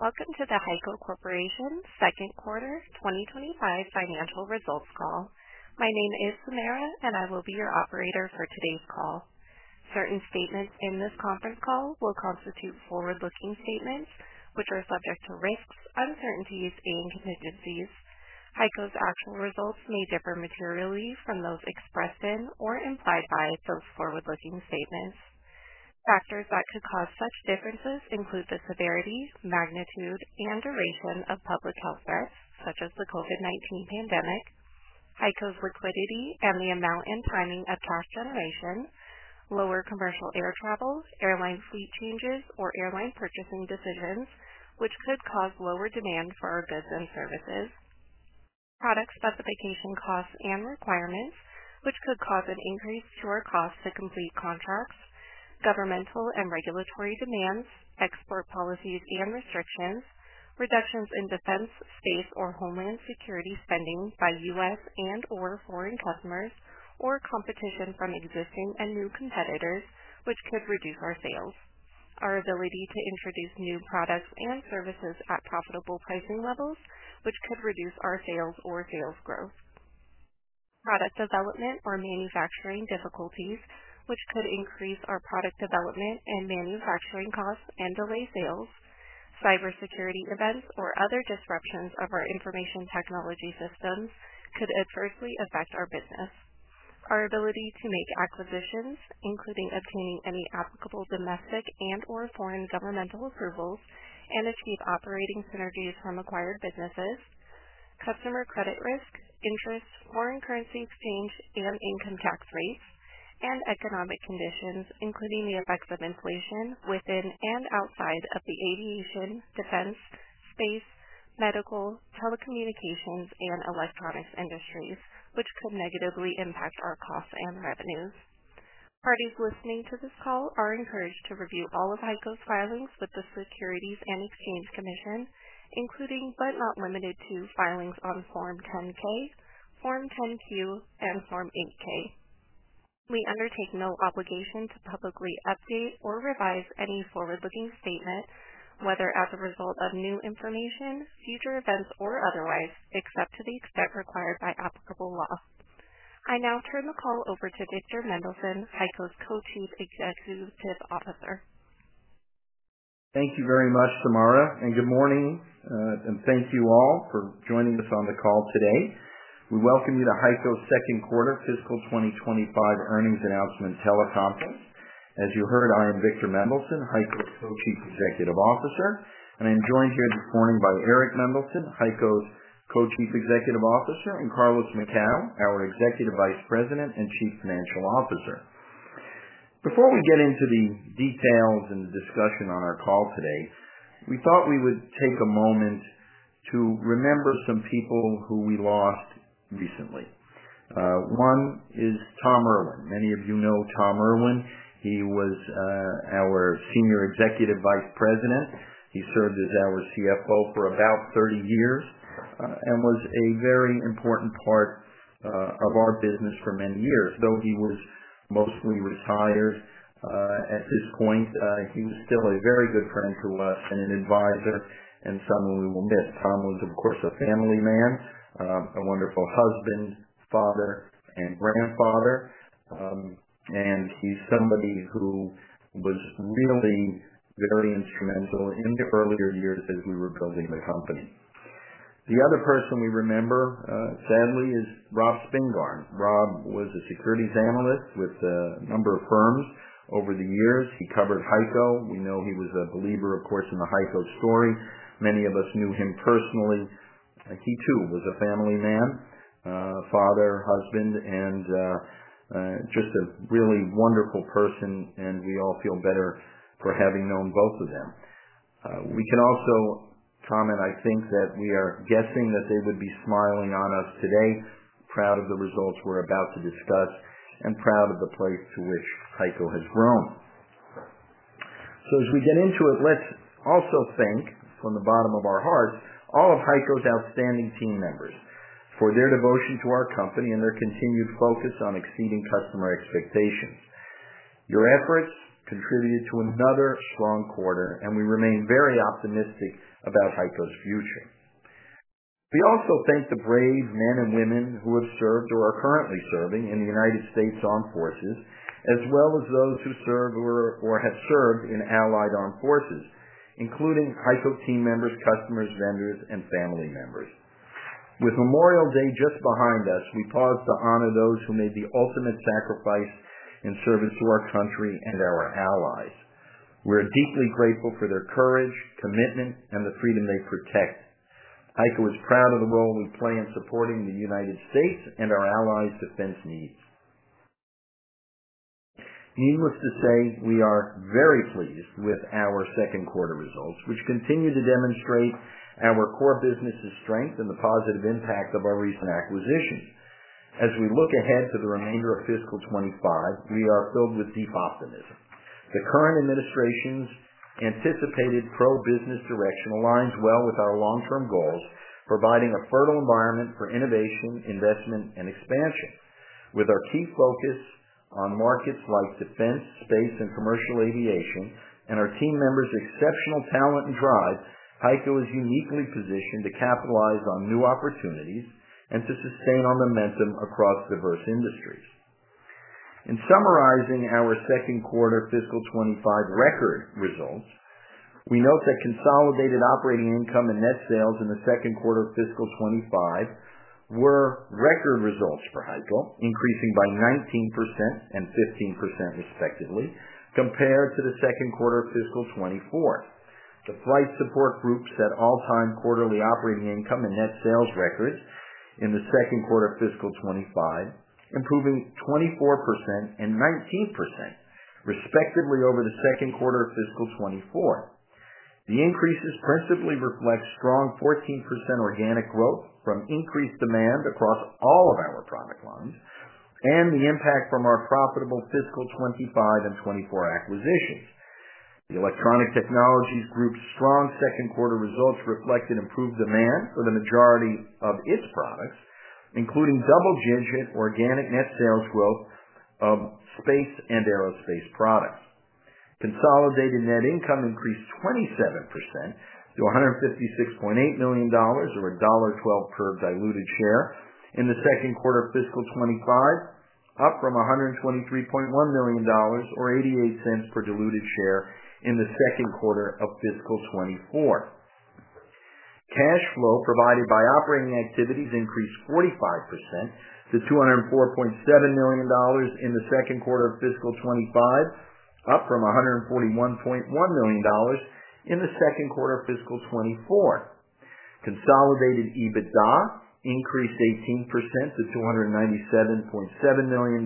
Welcome to the HEICO Corporation second quarter 2025 financial results call. My name is Samara, and I will be your operator for today's call. Certain statements in this conference call will constitute forward-looking statements, which are subject to risks, uncertainties, and contingencies. HEICO's actual results may differ materially from those expressed in or implied by those forward-looking statements. Factors that could cause such differences include the severity, magnitude, and duration of public health threats, such as the COVID-19 pandemic, HEICO's liquidity and the amount and timing of cash generation, lower commercial air travel, airline fleet changes or airline purchasing decisions, which could cause lower demand for our goods and services, product specification costs and requirements, which could cause an increase to our costs to complete contracts, governmental and regulatory demands, export policies and restrictions, reductions in defense, space, or homeland security spending by U.S. and/or foreign customers, or competition from existing and new competitors, which could reduce our sales, our ability to introduce new products and services at profitable pricing levels, which could reduce our sales or sales growth, product development or manufacturing difficulties, which could increase our product development and manufacturing costs and delay sales, cybersecurity events or other disruptions of our information technology systems could adversely affect our business, our ability to make acquisitions, including obtaining any applicable domestic and/or foreign governmental approvals and achieve operating synergies from acquired businesses, customer credit risk, interest, foreign currency exchange and income tax rates, and economic conditions, including the effects of inflation within and outside of the aviation, defense, space, medical, telecommunications, and electronics industries, which could negatively impact our costs and revenues. Parties listening to this call are encouraged to review all of HEICO's filings with the Securities and Exchange Commission, including but not limited to filings on Form 10-K, Form 10-Q, and Form 8-K. We undertake no obligation to publicly update or revise any forward-looking statement, whether as a result of new information, future events, or otherwise, except to the extent required by applicable law. I now turn the call over to Victor Mendelson, HEICO's co-chief executive officer. Thank you very much, Samara, and good morning. Thank you all for joining us on the call today. We welcome you to HEICO's second quarter fiscal 2025 earnings announcement teleconference. As you heard, I am Victor Mendelson, HEICO's co-chief executive officer, and I'm joined here this morning by Eric Mendelson, HEICO's co-chief executive officer, and Carlos Macau, our executive vice president and chief financial officer. Before we get into the details and the discussion on our call today, we thought we would take a moment to remember some people who we lost recently. One is Tom Irwin. Many of you know Tom Irwin. He was our senior executive vice president. He served as our CFO for about 30 years and was a very important part of our business for many years. Though he was mostly retired at this point, he was still a very good friend to us and an advisor and someone we will miss. Tom was, of course, a family man, a wonderful husband, father, and grandfather. He is somebody who was really very instrumental in the earlier years as we were building the company. The other person we remember, sadly, is Rob Spingarn. Rob was a securities analyst with a number of firms over the years. He covered HEICO. We know he was a believer, of course, in the HEICO story. Many of us knew him personally. He, too, was a family man, father, husband, and just a really wonderful person, and we all feel better for having known both of them. We can also comment, I think, that we are guessing that they would be smiling on us today, proud of the results we're about to discuss, and proud of the place to which HEICO has grown. As we get into it, let's also thank, from the bottom of our hearts, all of HEICO's outstanding team members for their devotion to our company and their continued focus on exceeding customer expectations. Your efforts contributed to another strong quarter, and we remain very optimistic about HEICO's future. We also thank the brave men and women who have served or are currently serving in the United States Armed Forces, as well as those who serve or have served in Allied Armed Forces, including HEICO team members, customers, vendors, and family members. With Memorial Day just behind us, we pause to honor those who made the ultimate sacrifice in service to our country and our allies. We're deeply grateful for their courage, commitment, and the freedom they protect. HEICO is proud of the role we play in supporting the United States and our allies' defense needs. Needless to say, we are very pleased with our second quarter results, which continue to demonstrate our core business's strength and the positive impact of our recent acquisitions. As we look ahead to the remainder of fiscal 2025, we are filled with deep optimism. The current administration's anticipated pro-business direction aligns well with our long-term goals, providing a fertile environment for innovation, investment, and expansion. With our key focus on markets like defense, space, and commercial aviation, and our team members' exceptional talent and drive, HEICO is uniquely positioned to capitalize on new opportunities and to sustain our momentum across diverse industries. In summarizing our second quarter fiscal 2025 record results, we note that consolidated operating income and net sales in the second quarter of fiscal 2025 were record results for HEICO, increasing by 19% and 15%, respectively, compared to the second quarter of fiscal 2024. The Flight Support Group set all-time quarterly operating income and net sales records in the second quarter of fiscal 2025, improving 24% and 19%, respectively, over the second quarter of fiscal 2024. The increases principally reflect strong 14% organic growth from increased demand across all of our product lines and the impact from our profitable fiscal 2025 and 2024 acquisitions. The Electronic Technologies Group's strong second quarter results reflected improved demand for the majority of its products, including double-digit organic net sales growth of space and aerospace products. Consolidated net income increased 27% to $156.8 million, or $1.12 per diluted share, in the second quarter of fiscal 2025, up from $123.1 million, or $0.88 per diluted share, in the second quarter of fiscal 2024. Cash flow provided by operating activities increased 45% to $204.7 million in the second quarter of fiscal 2025, up from $141.1 million in the second quarter of fiscal 2024. Consolidated EBITDA increased 18% to $297.7 million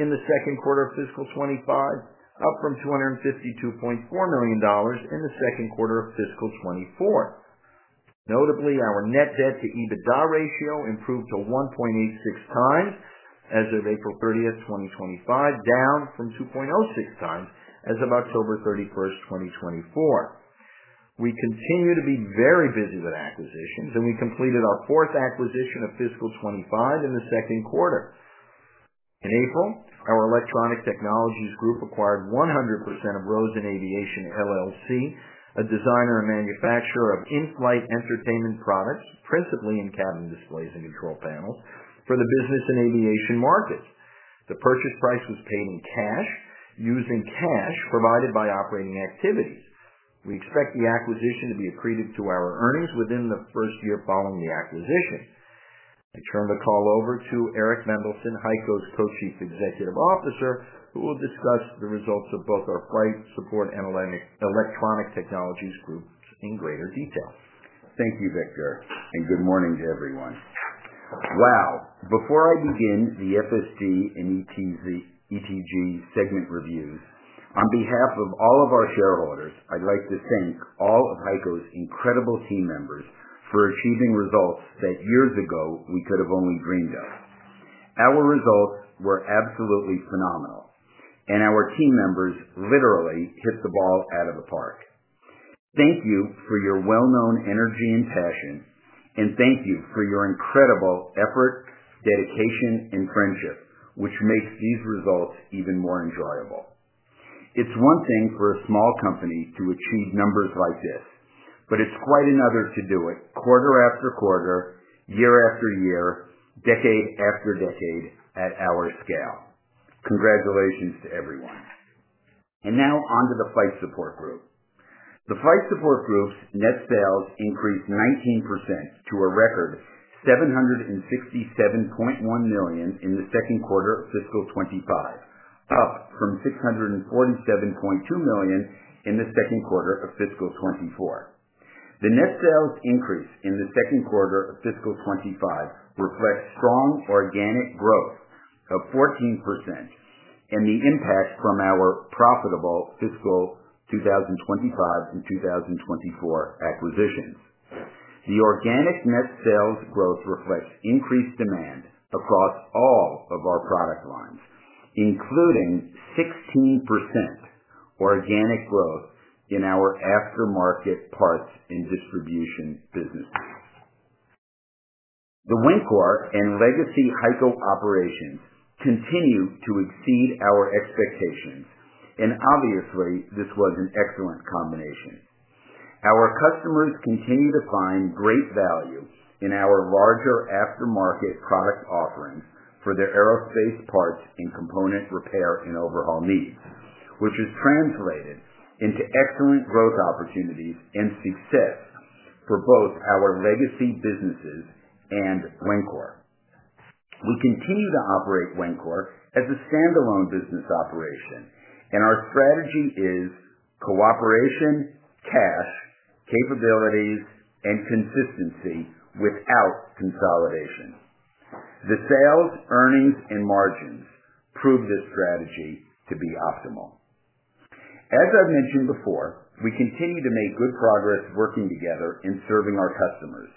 in the second quarter of fiscal 2025, up from $252.4 million in the second quarter of fiscal 2024. Notably, our net debt-to-EBITDA ratio improved to 1.86 times as of April 30th, 2025, down from 2.06 times as of October 31st, 2024. We continue to be very busy with acquisitions, and we completed our fourth acquisition of fiscal 2025 in the second quarter. In April, our Electronic Technologies Group acquired 100% of Rosen Aviation, a designer and manufacturer of in-flight entertainment products, principally in cabin displays and control panels, for the business and aviation markets. The purchase price was paid in cash, using cash provided by operating activities. We expect the acquisition to be accretive to our earnings within the first year following the acquisition. I turn the call over to Eric Mendelson, HEICO's co-chief executive officer, who will discuss the results of both our Flight Support and Electronic Technologies Groups in greater detail. Thank you, Victor, and good morning to everyone. Wow. Before I begin the FSG and ETG segment reviews, on behalf of all of our shareholders, I'd like to thank all of HEICO's incredible team members for achieving results that years ago we could have only dreamed of. Our results were absolutely phenomenal, and our team members literally hit the ball out of the park. Thank you for your well-known energy and passion, and thank you for your incredible effort, dedication, and friendship, which makes these results even more enjoyable. It's one thing for a small company to achieve numbers like this, but it's quite another to do it quarter after quarter, year after year, decade after decade at our scale. Congratulations to everyone. Now on to the Flight Support Group. The Flight Support Group's net sales increased 19% to a record $767.1 million in the second quarter of fiscal 2025, up from $647.2 million in the second quarter of fiscal 2024. The net sales increase in the second quarter of fiscal 2025 reflects strong organic growth of 14% and the impact from our profitable fiscal 2025 and 2024 acquisitions. The organic net sales growth reflects increased demand across all of our product lines, including 16% organic growth in our aftermarket parts and distribution businesses. The Wencor and legacy HEICO operations continue to exceed our expectations, and obviously, this was an excellent combination. Our customers continue to find great value in our larger aftermarket product offerings for their aerospace parts and component repair and overhaul needs, which has translated into excellent growth opportunities and success for both our legacy businesses and Wencor. We continue to operate Wencor as a standalone business operation, and our strategy is cooperation, cash, capabilities, and consistency without consolidation. The sales, earnings, and margins prove this strategy to be optimal. As I've mentioned before, we continue to make good progress working together in serving our customers.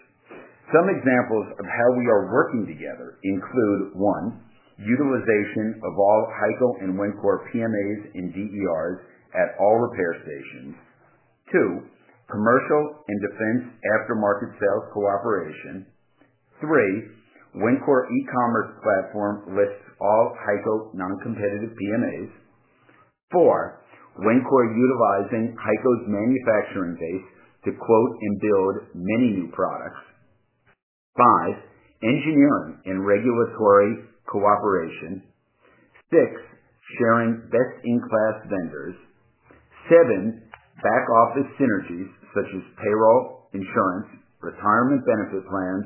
Some examples of how we are working together include, one, utilization of all HEICO and Wencor PMAs and DERs at all repair stations; two, commercial and defense aftermarket sales cooperation; three, Wencor e-commerce platform lists all HEICO non-competitive PMAs; four, Wencor utilizing HEICO's manufacturing base to quote and build many new products; five, engineering and regulatory cooperation; six, sharing best-in-class vendors; seven, back-office synergies such as payroll, insurance, retirement benefit plans,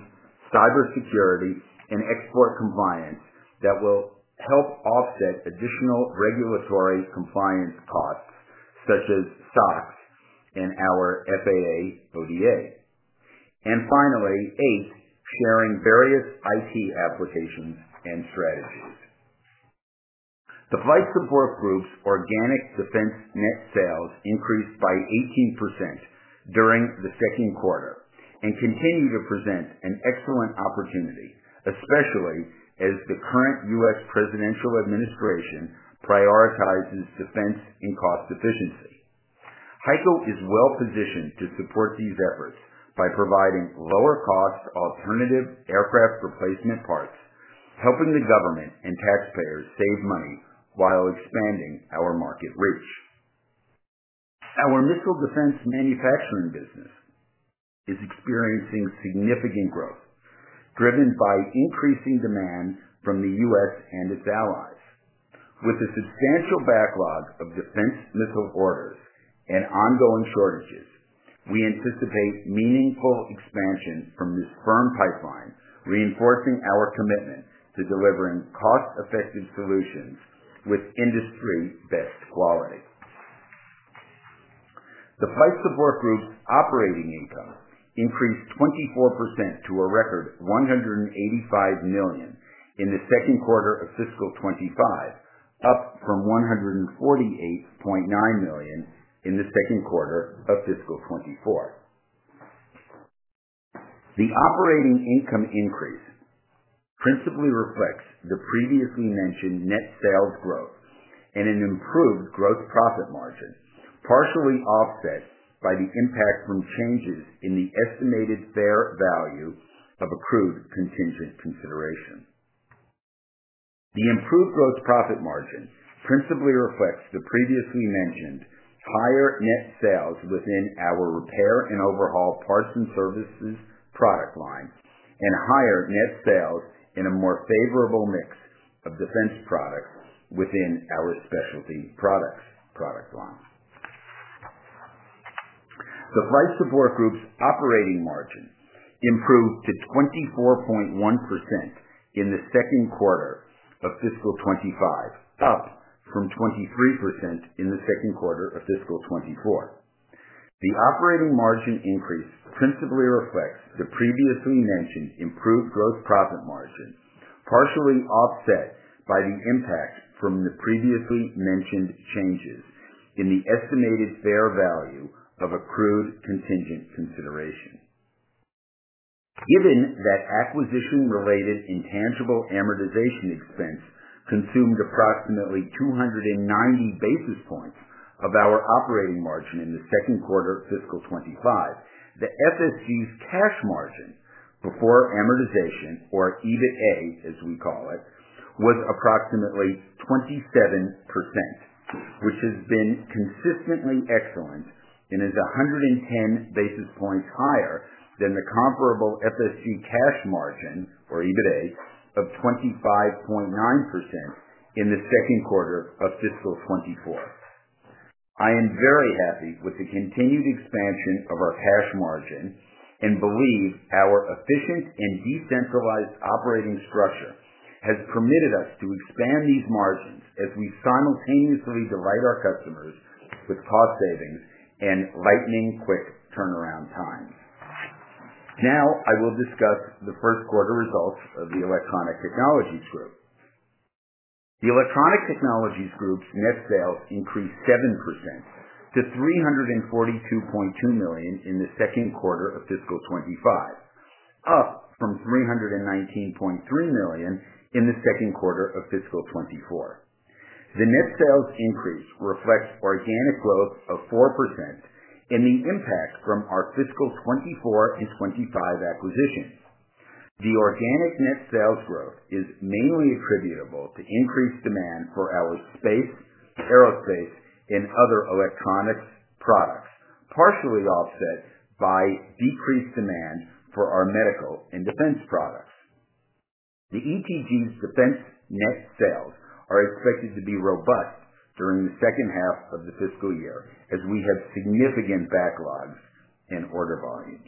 cybersecurity, and export compliance that will help offset additional regulatory compliance costs such as SOX and our FAA ODA; and finally, eight, sharing various IT applications and strategies. The Flight Support Group's organic defense net sales increased by 18% during the second quarter and continue to present an excellent opportunity, especially as the current U.S. presidential administration prioritizes defense and cost efficiency. HEICO is well-positioned to support these efforts by providing lower-cost alternative aircraft replacement parts, helping the government and taxpayers save money while expanding our market reach. Our missile defense manufacturing business is experiencing significant growth, driven by increasing demand from the U.S. and its allies. With the substantial backlog of defense missile orders and ongoing shortages, we anticipate meaningful expansion from this firm pipeline, reinforcing our commitment to delivering cost-effective solutions with industry-best quality. The Flight Support Group's operating income increased 24% to a record $185 million in the second quarter of fiscal 2025, up from $148.9 million in the second quarter of fiscal 2024. The operating income increase principally reflects the previously mentioned net sales growth and an improved gross profit margin, partially offset by the impact from changes in the estimated fair value of accrued contingent consideration. The improved gross profit margin principally reflects the previously mentioned higher net sales within our repair and overhaul parts and services product line and higher net sales in a more favorable mix of defense products within our specialty products product line. The Flight Support Group's operating margin improved to 24.1% in the second quarter of fiscal 2025, up from 23% in the second quarter of fiscal 2024. The operating margin increase principally reflects the previously mentioned improved gross profit margin, partially offset by the impact from the previously mentioned changes in the estimated fair value of accrued contingent consideration. Given that acquisition-related intangible amortization expense consumed approximately 290 bps of our operating margin in the second quarter of fiscal 2025, the FSG's cash margin before amortization, or EBITA as we call it, was approximately 27%, which has been consistently excellent and is 110 bps higher than the comparable FSG cash margin, or EBITA, of 25.9% in the second quarter of fiscal 2024. I am very happy with the continued expansion of our cash margin and believe our efficient and decentralized operating structure has permitted us to expand these margins as we simultaneously delight our customers with cost savings and lightning-quick turnaround times. Now, I will discuss the first quarter results of the Electronic Technologies Group. The Electronic Technologies Group's net sales increased 7% to $342.2 million in the second quarter of fiscal 2025, up from $319.3 million in the second quarter of fiscal 2024. The net sales increase reflects organic growth of 4% and the impact from our fiscal 2024 and 2025 acquisitions. The organic net sales growth is mainly attributable to increased demand for our space, aerospace, and other electronics products, partially offset by decreased demand for our medical and defense products. The ETG's defense net sales are expected to be robust during the second half of the fiscal year as we have significant backlogs and order volumes.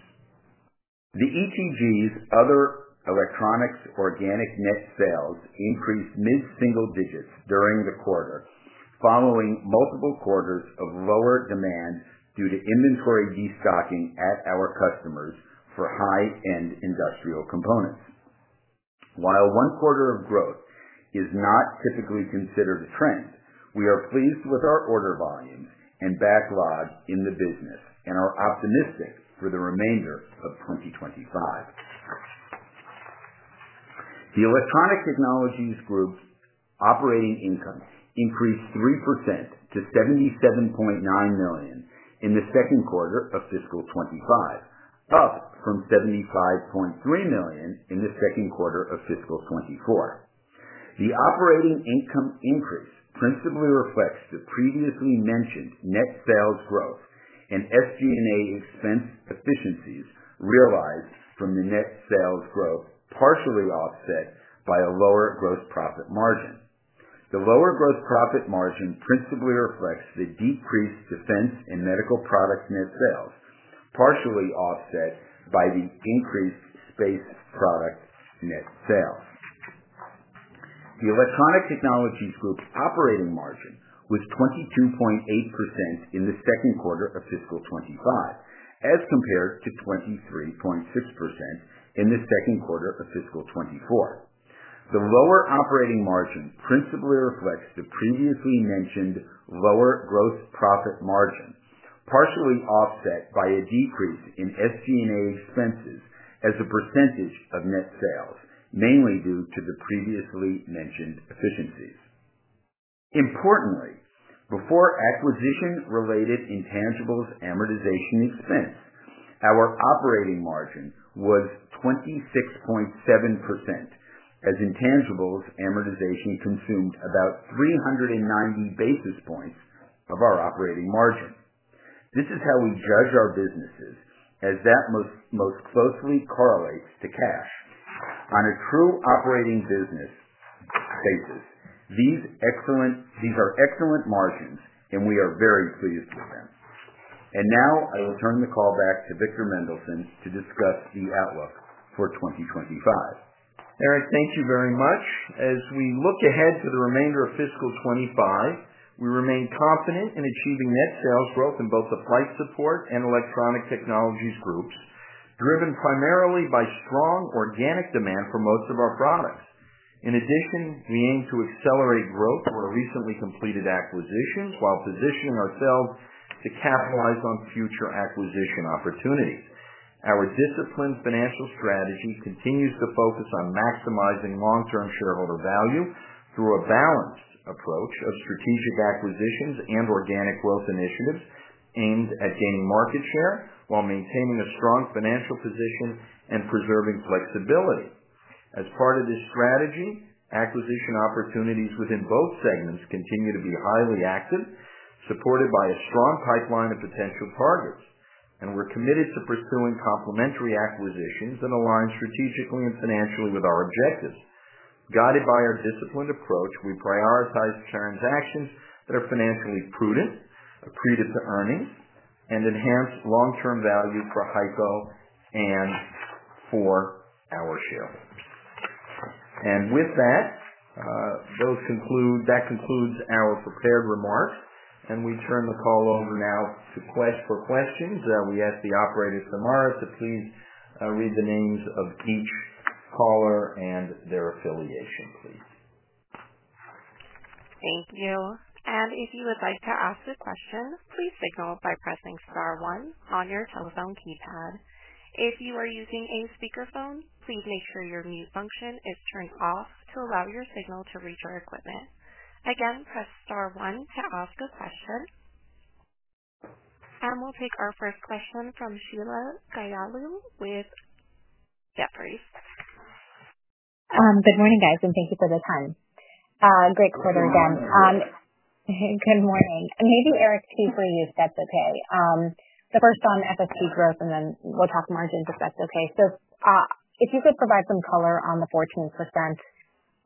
The ETG's other electronics organic net sales increased mid-single digits during the quarter, following multiple quarters of lower demand due to inventory destocking at our customers for high-end industrial components. While one quarter of growth is not typically considered a trend, we are pleased with our order volumes and backlog in the business and are optimistic for the remainder of 2025. The Electronic Technologies Group's operating income increased 3% to $77.9 million in the second quarter of fiscal 2025, up from $75.3 million in the second quarter of fiscal 2024. The operating income increase principally reflects the previously mentioned net sales growth and SG&A expense efficiencies realized from the net sales growth, partially offset by a lower gross profit margin. The lower gross profit margin principally reflects the decreased defense and medical product net sales, partially offset by the increased space product net sales. The Electronic Technologies Group's operating margin was 22.8% in the second quarter of fiscal 2025, as compared to 23.6% in the second quarter of fiscal 2024. The lower operating margin principally reflects the previously mentioned lower gross profit margin, partially offset by a decrease in SG&A expenses as a percentage of net sales, mainly due to the previously mentioned efficiencies. Importantly, before acquisition-related intangibles amortization expense, our operating margin was 26.7%, as intangibles amortization consumed about 390 bps of our operating margin. This is how we judge our businesses, as that most closely correlates to cash. On a true operating business basis, these are excellent margins, and we are very pleased with them. I will turn the call back to Victor Mendelson to discuss the outlook for 2025. Eric, thank you very much. As we look ahead to the remainder of fiscal 2025, we remain confident in achieving net sales growth in both the Flight Support and Electronic Technologies Groups, driven primarily by strong organic demand for most of our products. In addition, we aim to accelerate growth through our recently completed acquisitions while positioning ourselves to capitalize on future acquisition opportunities. Our disciplined financial strategy continues to focus on maximizing long-term shareholder value through a balanced approach of strategic acquisitions and organic growth initiatives aimed at gaining market share while maintaining a strong financial position and preserving flexibility. As part of this strategy, acquisition opportunities within both segments continue to be highly active, supported by a strong pipeline of potential targets, and we're committed to pursuing complementary acquisitions that align strategically and financially with our objectives. Guided by our disciplined approach, we prioritize transactions that are financially prudent, accretive to earnings, and enhance long-term value for HEICO and for our shareholders. That concludes our prepared remarks, and we turn the call over now for questions. We ask the operators, Tamara, to please read the names of each caller and their affiliation, please. Thank you. If you would like to ask a question, please signal by pressing star one on your telephone keypad. If you are using a speakerphone, please make sure your mute function is turned off to allow your signal to reach our equipment. Again, press star one to ask a question. We will take our first question from Sheila Kahyaoglu with Jefferies. Good morning, guys, and thank you for the time. Great quarter again. Good morning. Maybe Eric too for you if that's okay. The first on FSG growth, and then we will talk margins, if that's okay. If you could provide some color on the 14%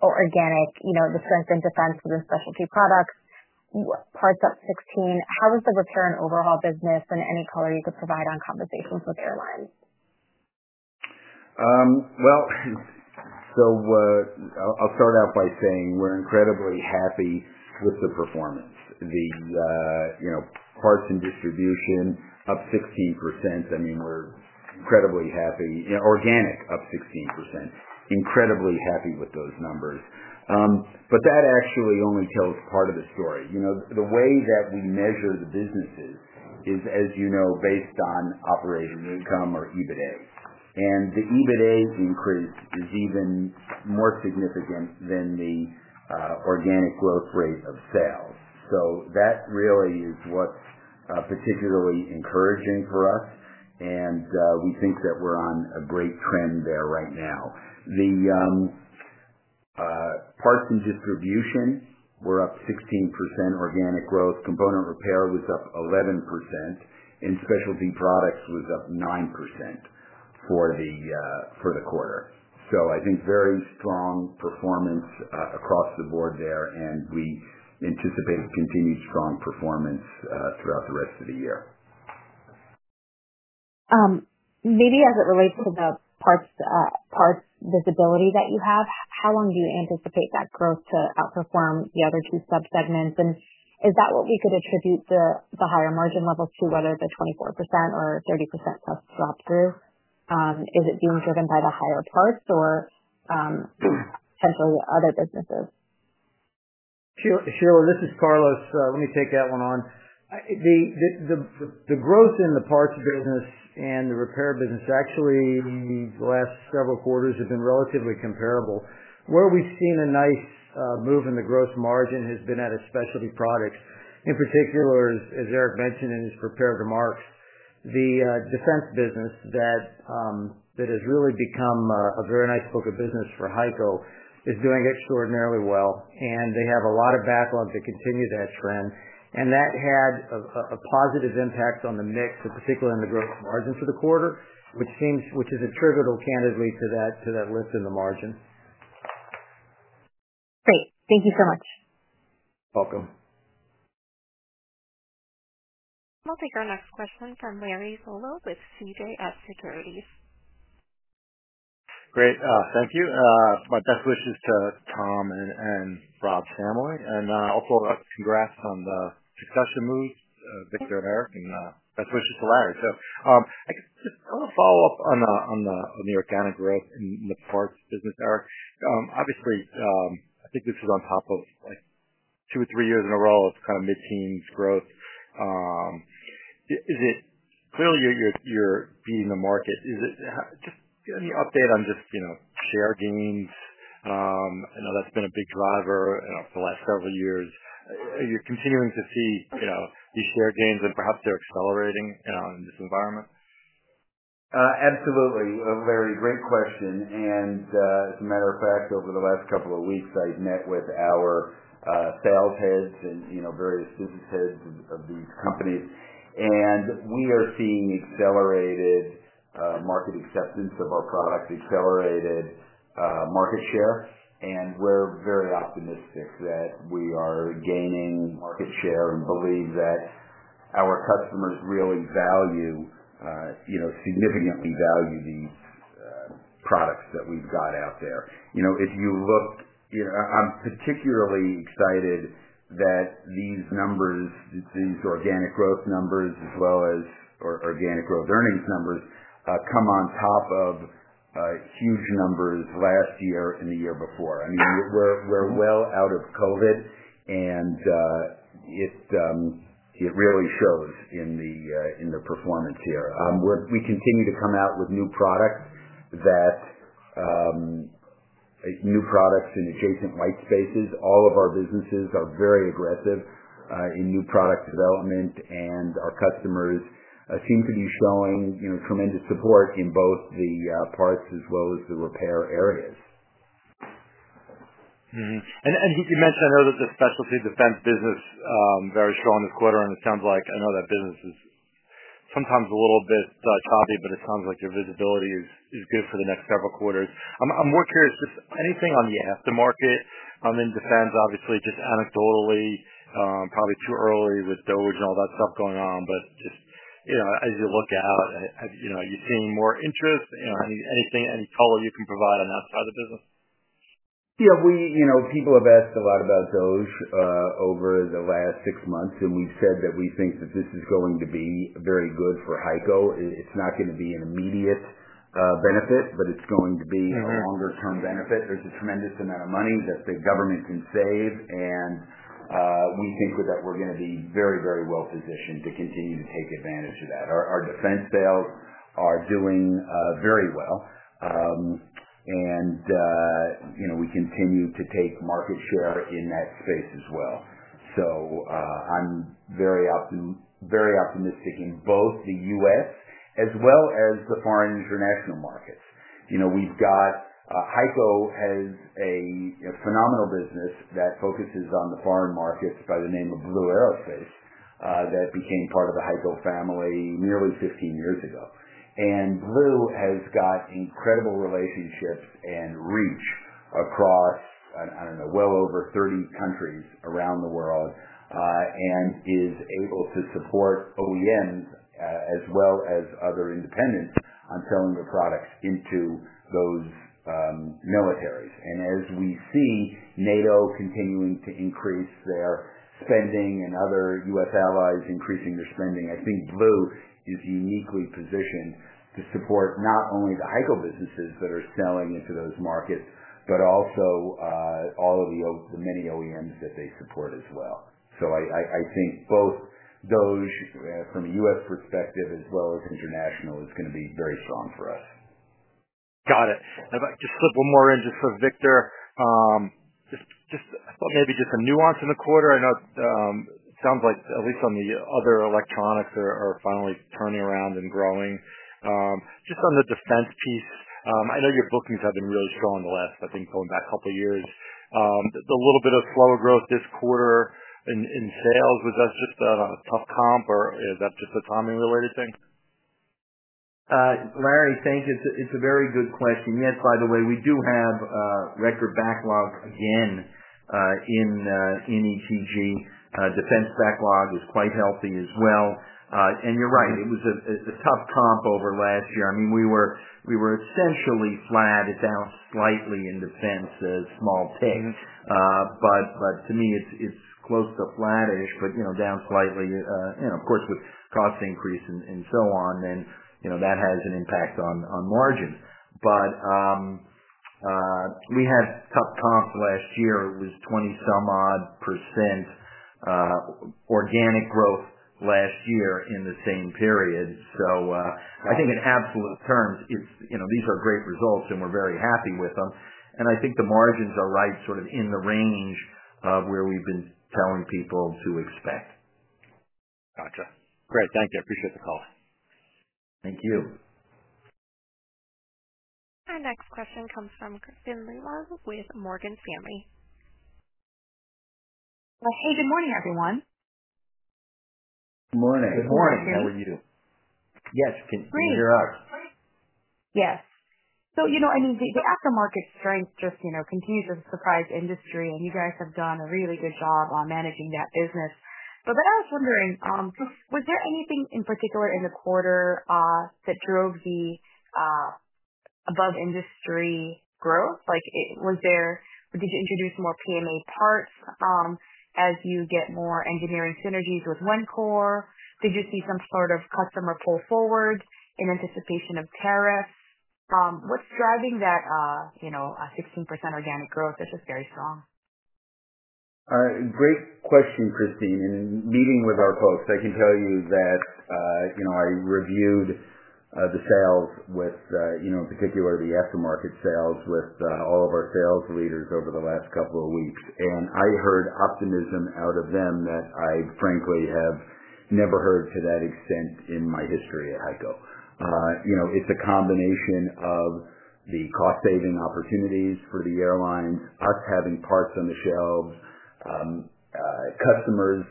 organic, the strength in defense of the specialty products, parts up 16%, how is the repair and overhaul business, and any color you could provide on conversations with airlines? I will start out by saying we are incredibly happy with the performance. The parts and distribution, up 16%. I mean, we're incredibly happy. Organic, up 16%. Incredibly happy with those numbers. That actually only tells part of the story. The way that we measure the businesses is, as you know, based on operating income or EBITDA. The EBITDA increase is even more significant than the organic growth rate of sales. That really is what's particularly encouraging for us, and we think that we're on a great trend there right now. The parts and distribution, we're up 16% organic growth. Component repair was up 11%, and specialty products was up 9% for the quarter. I think very strong performance across the board there, and we anticipate continued strong performance throughout the rest of the year. Maybe as it relates to the parts visibility that you have, how long do you anticipate that growth to outperform the other two subsegments? Is that what we could attribute the higher margin levels to, whether the 24% or 30% plus drop-through? Is it being driven by the higher parts or potentially other businesses? Sheila, this is Carlos. Let me take that one on. The growth in the parts business and the repair business, actually, the last several quarters have been relatively comparable. Where we've seen a nice move in the gross margin has been at specialty products. In particular, as Eric mentioned in his prepared remarks, the defense business that has really become a very nice book of business for HEICO is doing extraordinarily well, and they have a lot of backlog to continue that trend. That had a positive impact on the mix, particularly on the gross margin for the quarter, which is a trigger, though, candidly, to that lift in the margin. Great. Thank you so much. Welcome. We'll take our next question from Larry Solow with CJS Securities. Great. Thank you. My best wishes to Tom and Rob's family. And also congrats on the succession moves, Victor and Eric, and best wishes to Larry. I want to follow up on the organic growth in the parts business, Eric. Obviously, I think this is on top of two or three years in a row of kind of mid-teens growth. Clearly, you're beating the market. Just any update on just share gains? I know that's been a big driver for the last several years. Are you continuing to see these share gains and perhaps they're accelerating in this environment? Absolutely. A very great question. As a matter of fact, over the last couple of weeks, I've met with our sales heads and various business heads of these companies. We are seeing accelerated market acceptance of our products, accelerated market share. We are very optimistic that we are gaining market share and believe that our customers really value, significantly value these products that we've got out there. If you look, I'm particularly excited that these numbers, these organic growth numbers, as well as organic growth earnings numbers, come on top of huge numbers last year and the year before. I mean, we're well out of COVID, and it really shows in the performance here. We continue to come out with new products in adjacent white spaces. All of our businesses are very aggressive in new product development, and our customers seem to be showing tremendous support in both the parts as well as the repair areas. You mentioned, I know that the specialty defense business is very strong this quarter, and it sounds like I know that business is sometimes a little bit choppy, but it sounds like your visibility is good for the next several quarters. I'm more curious, just anything on the aftermarket? I'm in defense, obviously, just anecdotally, probably too early with DOGE and all that stuff going on, but just as you look out, are you seeing more interest? Any color you can provide on that side of the business? Yeah. People have asked a lot about DOGE over the last six months, and we've said that we think that this is going to be very good for HEICO. It's not going to be an immediate benefit, but it's going to be a longer-term benefit. There's a tremendous amount of money that the government can save, and we think that we're going to be very, very well positioned to continue to take advantage of that. Our defense sales are doing very well, and we continue to take market share in that space as well. I am very optimistic in both the U.S. as well as the foreign international markets. HEICO has a phenomenal business that focuses on the foreign markets by the name of Blue Aerospace that became part of the HEICO family nearly 15 years ago. Blue has got incredible relationships and reach across, I don't know, well over 30 countries around the world and is able to support OEMs as well as other independents on selling their products into those militaries. As we see NATO continuing to increase their spending and other U.S. allies increasing their spending, I think Blue is uniquely positioned to support not only the HEICO businesses that are selling into those markets, but also all of the many OEMs that they support as well. I think both DOGE from a U.S. perspective as well as international is going to be very strong for us. Got it. I'd like to slip one more in just for Victor. Maybe just a nuance in the quarter. I know it sounds like, at least on the other electronics, are finally turning around and growing. Just on the defense piece, I know your bookings have been really strong in the last, I think, going back a couple of years. The little bit of slower growth this quarter in sales, was that just a tough comp, or is that just a timing-related thing? Larry, thank you. It's a very good question. Yes, by the way, we do have record backlog again in ETG. Defense backlog is quite healthy as well. You're right. It was a tough comp over last year. I mean, we were essentially flat, down slightly in defense as small ticks. To me, it's close to flattish, but down slightly. Of course, with cost increase and so on, that has an impact on margins. We had tough comps last year. It was 20-some-odd % organic growth last year in the same period. I think in absolute terms, these are great results, and we're very happy with them. I think the margins are right, sort of in the range of where we've been telling people to expect. Gotcha. Great. Thank you. I appreciate the call. Thank you. Our next question comes from Kristin Lewell with Morgan Stanley. Hey, good morning, everyone. Good morning. Good morning. How are you? Yes. Good to hear up. Yes. I mean, the aftermarket strength just continues to surprise industry, and you guys have done a really good job on managing that business. I was wondering, was there anything in particular in the quarter that drove the above-industry growth? Did you introduce more PMA parts as you get more engineering synergies with Wencor? Did you see some sort of customer pull forward in anticipation of tariffs? What's driving that 16% organic growth that's just very strong? Great question, Kristin. In meeting with our folks, I can tell you that I reviewed the sales with, in particular, the aftermarket sales with all of our sales leaders over the last couple of weeks. I heard optimism out of them that I frankly have never heard to that extent in my history at HEICO. It's a combination of the cost-saving opportunities for the airlines, us having parts on the shelves, customers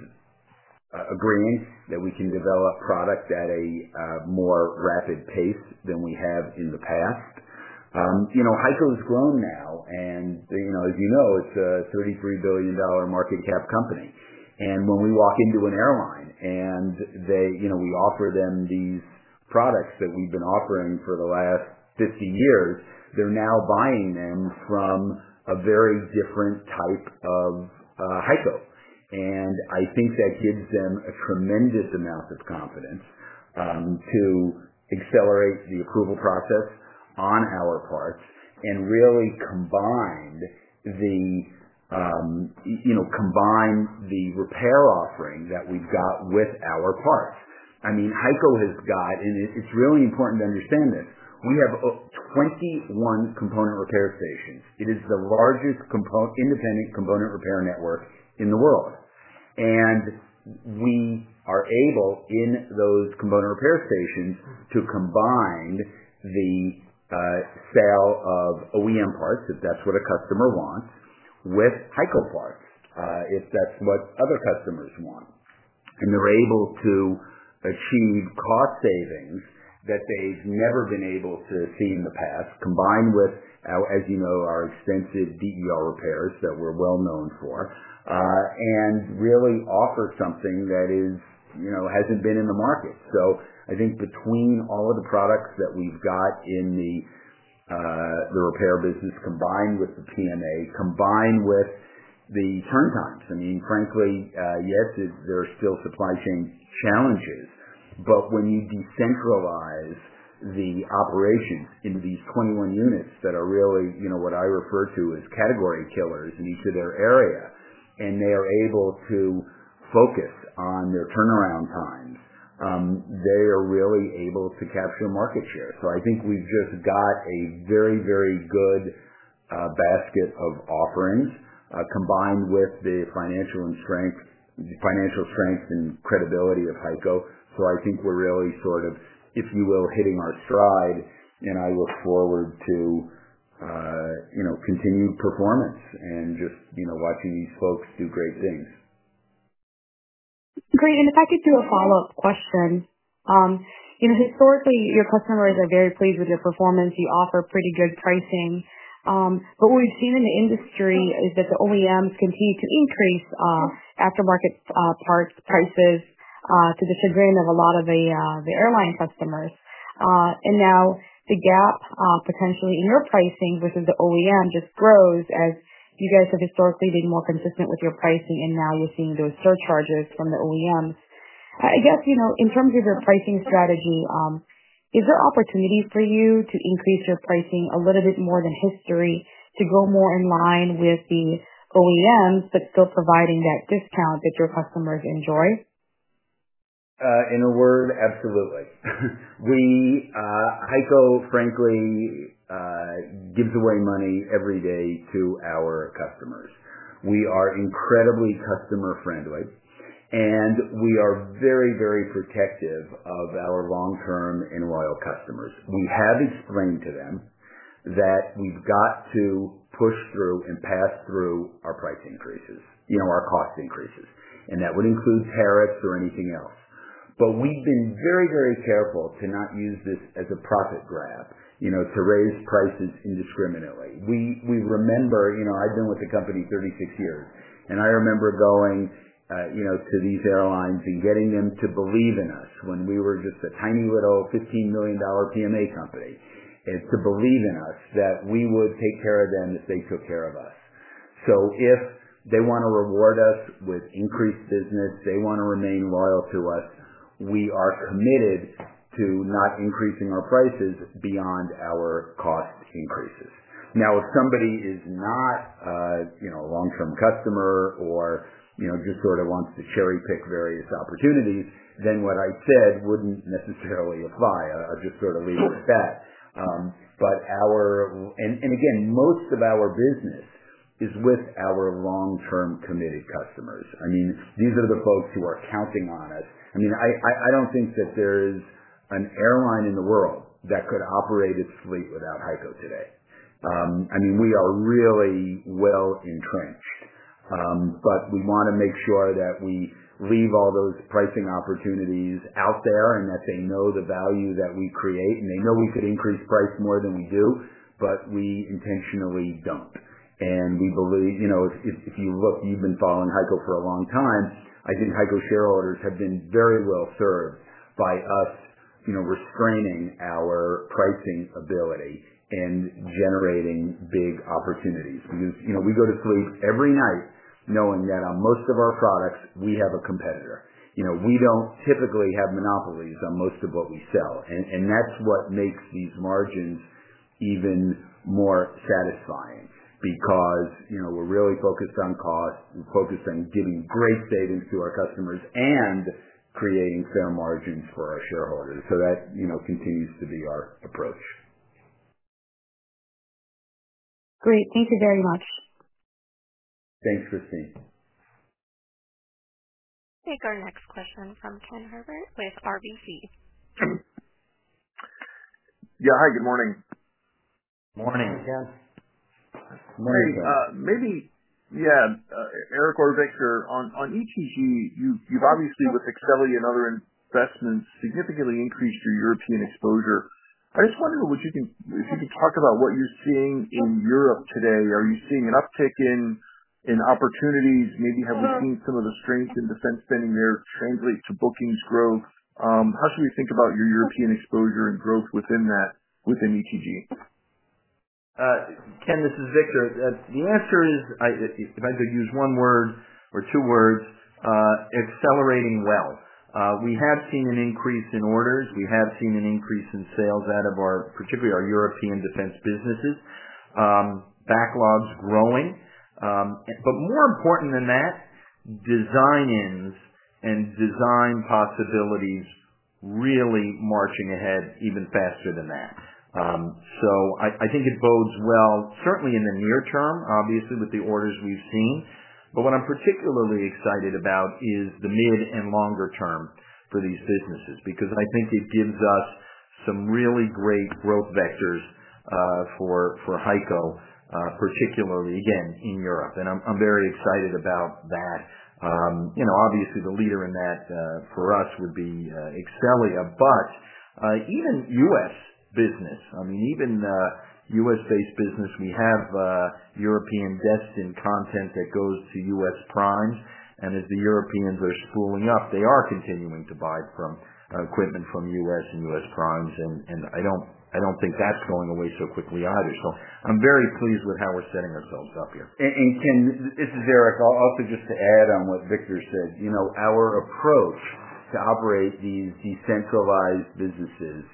agreeing that we can develop product at a more rapid pace than we have in the past. HEICO has grown now. As you know, it's a $33 billion market cap company. When we walk into an airline and we offer them these products that we've been offering for the last 50 years, they're now buying them from a very different type of HEICO. I think that gives them a tremendous amount of confidence to accelerate the approval process on our parts and really combine the repair offering that we've got with our parts. I mean, HEICO has got, and it's really important to understand this. We have 21 component repair stations. It is the largest independent component repair network in the world. We are able, in those component repair stations, to combine the sale of OEM parts, if that's what a customer wants, with HEICO parts, if that's what other customers want. They are able to achieve cost savings that they've never been able to see in the past, combined with, as you know, our extensive DER repairs that we're well known for, and really offer something that hasn't been in the market. I think between all of the products that we've got in the repair business, combined with the PMA, combined with the turn times, I mean, frankly, yes, there are still supply chain challenges. When you decentralize the operations into these 21 units that are really what I refer to as category killers in each of their area, and they are able to focus on their turnaround times, they are really able to capture market share. I think we've just got a very, very good basket of offerings combined with the financial strength and credibility of HEICO. I think we're really sort of, if you will, hitting our stride, and I look forward to continued performance and just watching these folks do great things. Great. If I could do a follow-up question, historically, your customers are very pleased with your performance. You offer pretty good pricing. What we have seen in the industry is that the OEMs continue to increase aftermarket part prices to the chagrin of a lot of the airline customers. Now the gap, potentially, in your pricing versus the OEM just grows as you guys have historically been more consistent with your pricing, and now you are seeing those surcharges from the OEMs. I guess in terms of your pricing strategy, is there opportunity for you to increase your pricing a little bit more than history to go more in line with the OEMs but still providing that discount that your customers enjoy? In a word, absolutely. HEICO, frankly, gives away money every day to our customers. We are incredibly customer-friendly, and we are very, very protective of our long-term and loyal customers. We have explained to them that we have to push through and pass through our price increases, our cost increases. That would include tariffs or anything else. We have been very, very careful to not use this as a profit grab to raise prices indiscriminately. I remember I have been with the company 36 years, and I remember going to these airlines and getting them to believe in us when we were just a tiny little $15 million PMA company and to believe in us that we would take care of them if they took care of us. If they want to reward us with increased business, if they want to remain loyal to us, we are committed to not increasing our prices beyond our cost increases. If somebody is not a long-term customer or just sort of wants to cherry-pick various opportunities, then what I said would not necessarily apply. I will just sort of leave it at that. Again, most of our business is with our long-term committed customers. I mean, these are the folks who are counting on us. I mean, I do not think that there is an airline in the world that could operate its fleet without HEICO today. I mean, we are really well entrenched, but we want to make sure that we leave all those pricing opportunities out there and that they know the value that we create. They know we could increase price more than we do, but we intentionally do not. We believe if you look, you have been following HEICO for a long time. I think HEICO shareholders have been very well served by us restraining our pricing ability and generating big opportunities because we go to sleep every night knowing that on most of our products, we have a competitor. We do not typically have monopolies on most of what we sell. That is what makes these margins even more satisfying because we are really focused on cost. We are focused on giving great savings to our customers and creating fair margins for our shareholders. That continues to be our approach. Great. Thank you very much. Thanks, Kristine. Take our next question from Ken Herbert with RBC. Yeah. Hi. Good morning. Morning, Ken. Morning, Ken. Hey. Maybe, yeah, Eric Orvic here. On ETG, you have obviously, with Excelia and other investments, significantly increased your European exposure. I just wonder if you can talk about what you are seeing in Europe today. Are you seeing an uptick in opportunities? Maybe have we seen some of the strength in defense spending there translate to bookings growth? How should we think about your European exposure and growth within ETG? Ken, this is Victor. The answer is, if I could use one word or two words, accelerating well. We have seen an increase in orders. We have seen an increase in sales out of particularly our European defense businesses. Backlogs growing. More important than that, design ins and design possibilities really marching ahead even faster than that. I think it bodes well, certainly in the near term, obviously, with the orders we have seen. What I am particularly excited about is the mid and longer term for these businesses because I think it gives us some really great growth vectors for HEICO, particularly, again, in Europe. I am very excited about that. Obviously, the leader in that for us would be Excelia. Even U.S. business, I mean, even U.S.-based business, we have European destined content that goes to U.S. primes. As the Europeans are spooling up, they are continuing to buy equipment from U.S. and U.S. primes. I do not think that is going away so quickly either. I am very pleased with how we are setting ourselves up here. Ken, this is Eric. Also, just to add on what Victor said, our approach to operate these decentralized businesses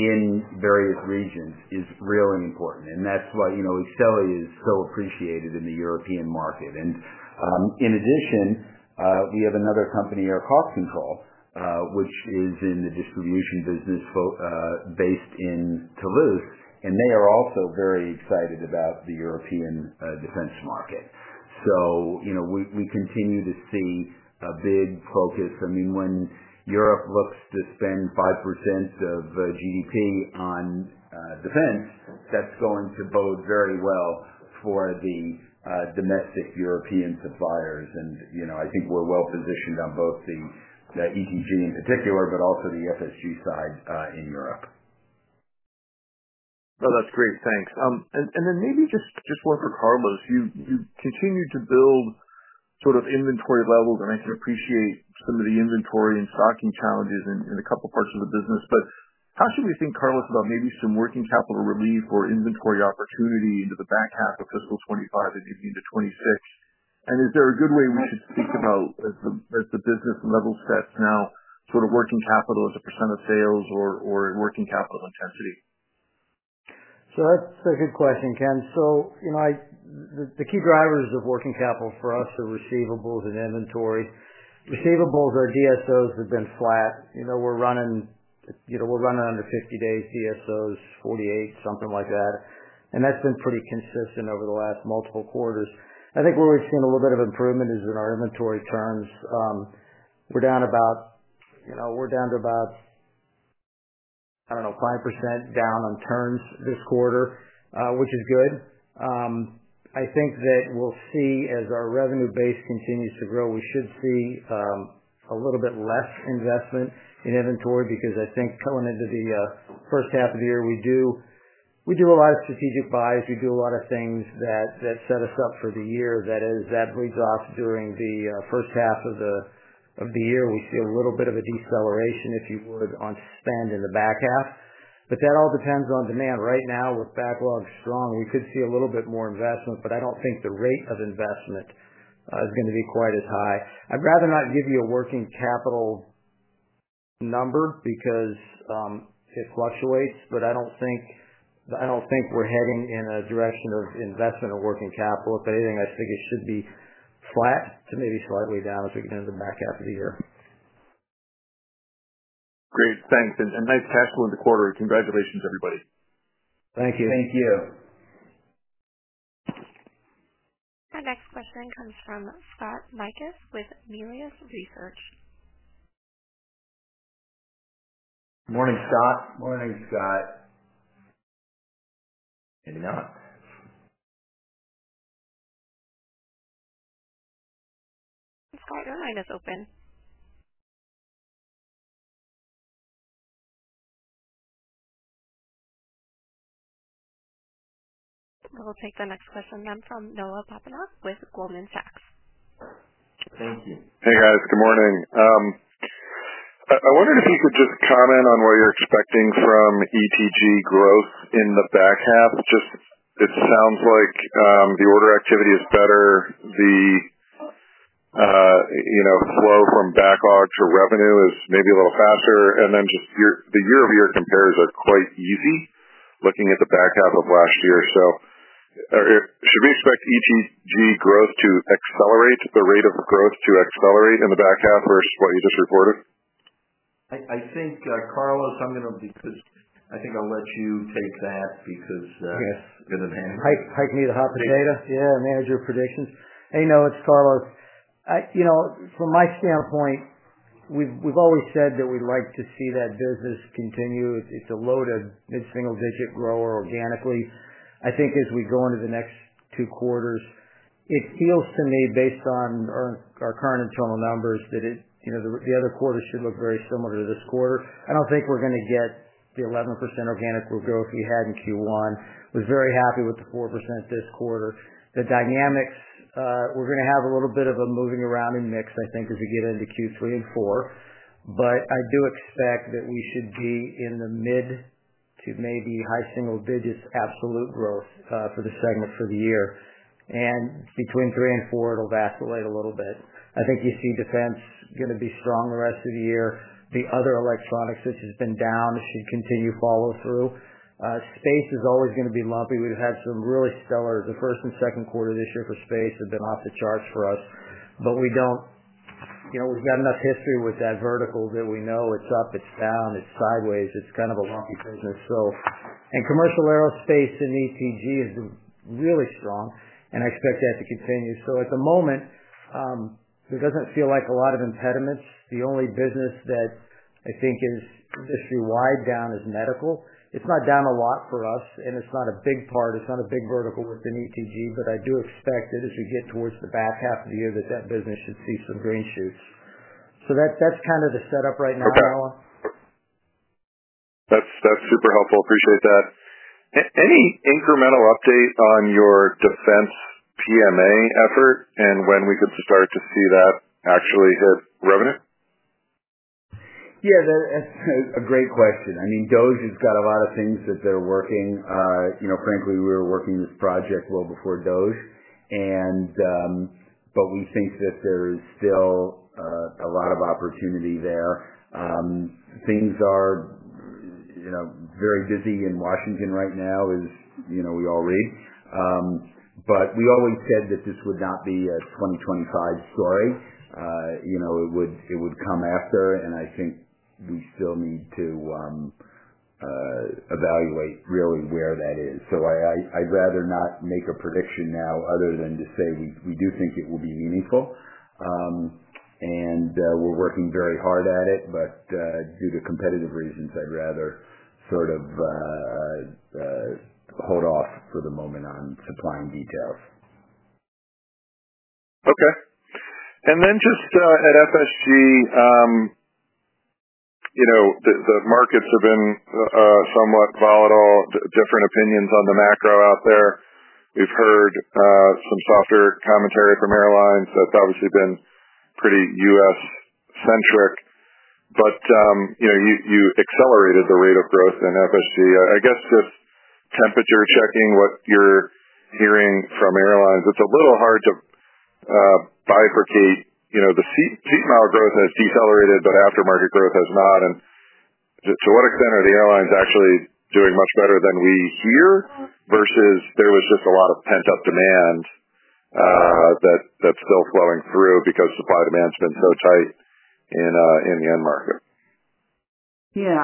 in various regions is really important. That is why Excelia is so appreciated in the European market. In addition, we have another company, Air Cost Control, which is in the distribution business based in Toulouse. They are also very excited about the European defense market. We continue to see a big focus. I mean, when Europe looks to spend 5% of GDP on defense, that is going to bode very well for the domestic European suppliers. I think we're well positioned on both the ETG in particular, but also the FSG side in Europe. No, that's great. Thanks. Maybe just one for Carlos. You continue to build sort of inventory levels, and I can appreciate some of the inventory and stocking challenges in a couple of parts of the business. How should we think, Carlos, about maybe some working capital relief or inventory opportunity into the back half of fiscal 2025 and maybe into 2026? Is there a good way we should speak about as the business level sets now, sort of working capital as a percent of sales or working capital intensity? That's a good question, Ken. The key drivers of working capital for us are receivables and inventory. Receivables or DSOs have been flat. We're running under 50-day DSOs, 48, something like that. That has been pretty consistent over the last multiple quarters. I think where we've seen a little bit of improvement is in our inventory turns. We're down to about, I don't know, 5% down on turns this quarter, which is good. I think that we'll see as our revenue base continues to grow, we should see a little bit less investment in inventory because I think coming into the first half of the year, we do a lot of strategic buys. We do a lot of things that set us up for the year that leads off during the first half of the year. We see a little bit of a deceleration, if you would, on spend in the back half. That all depends on demand. Right now, with backlogs strong, we could see a little bit more investment, but I don't think the rate of investment is going to be quite as high. I'd rather not give you a working capital number because it fluctuates, but I don't think we're heading in a direction of investment or working capital. If anything, I think it should be flat to maybe slightly down as we get into the back half of the year. Great. Thanks. And nice cash flow in the quarter. Congratulations, everybody. Thank you. Thank you. Our next question comes from Scott Stephen Mikus with Melius Research. Morning, Scott. Morning, Scott. Maybe not. Scott, your line is open. We'll take the next question then from Noah Poponak with Goldman Sachs. Thank you. Hey, guys. Good morning. I wondered if you could just comment on what you're expecting from ETG growth in the back half. Just it sounds like the order activity is better. The flow from backlog to revenue is maybe a little faster. The year-over-year compares are quite easy looking at the back half of last year. Should we expect ETG growth to accelerate, the rate of growth to accelerate in the back half versus what you just reported? I think, Carlos, I'm going to because I think I'll let you take that because you're the manager. Hike me the hot potato? Yeah. Manager of predictions. Hey, no, it's Carlos. From my standpoint, we've always said that we'd like to see that business continue. It's a loaded mid-single-digit grower organically. I think as we go into the next two quarters, it feels to me, based on our current internal numbers, that the other quarter should look very similar to this quarter. I don't think we're going to get the 11% organic growth we had in Q1. I was very happy with the 4% this quarter. The dynamics, we're going to have a little bit of a moving around and mix, I think, as we get into Q3 and Q4. I do expect that we should be in the mid to maybe high single-digit absolute growth for the segment for the year. Between three and four, it'll vacillate a little bit. I think you see defense going to be strong the rest of the year. The other electronics, which has been down, should continue to follow through. Space is always going to be lumpy. We've had some really stellar the first and second quarter this year for space have been off the charts for us. We have got enough history with that vertical that we know it's up, it's down, it's sideways. It's kind of a lumpy business. Commercial aerospace and ETG have been really strong, and I expect that to continue. At the moment, there does not feel like a lot of impediments. The only business that I think is industry-wide down is medical. It's not down a lot for us, and it's not a big part. It's not a big vertical within ETG, but I do expect that as we get towards the back half of the year, that business should see some green shoots. That's kind of the setup right now, Noah. That's super helpful. Appreciate that. Any incremental update on your defense PMA effort and when we could start to see that actually hit revenue? Yeah. That's a great question. I mean, DOGE has got a lot of things that they're working. Frankly, we were working this project well before DOGE. We think that there is still a lot of opportunity there. Things are very busy in Washington right now, as we all read. We always said that this would not be a 2025 story. It would come after, and I think we still need to evaluate really where that is. I'd rather not make a prediction now other than to say we do think it will be meaningful. We're working very hard at it, but due to competitive reasons, I'd rather sort of hold off for the moment on supplying details. Okay. Then just at FSG, the markets have been somewhat volatile. Different opinions on the macro out there. We've heard some softer commentary from airlines. That's obviously been pretty U.S.-centric. You accelerated the rate of growth in FSG. I guess just temperature checking what you're hearing from airlines. It's a little hard to bifurcate. The seat mile growth has decelerated, but aftermarket growth has not. To what extent are the airlines actually doing much better than we hear versus there was just a lot of pent-up demand that's still flowing through because supply demand's been so tight in the end market? Yeah.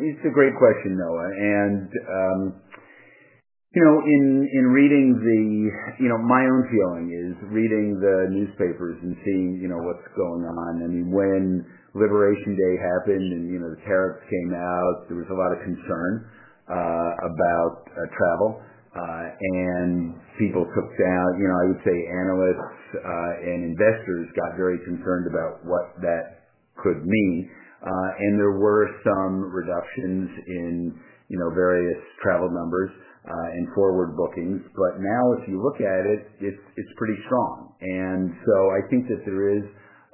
It's a great question, Noah. In reading the newspapers and seeing what's going on, I mean, when Liberation Day happened and the tariffs came out, there was a lot of concern about travel. People took down, I would say, analysts and investors got very concerned about what that could mean. There were some reductions in various travel numbers and forward bookings. If you look at it, it's pretty strong. I think that there is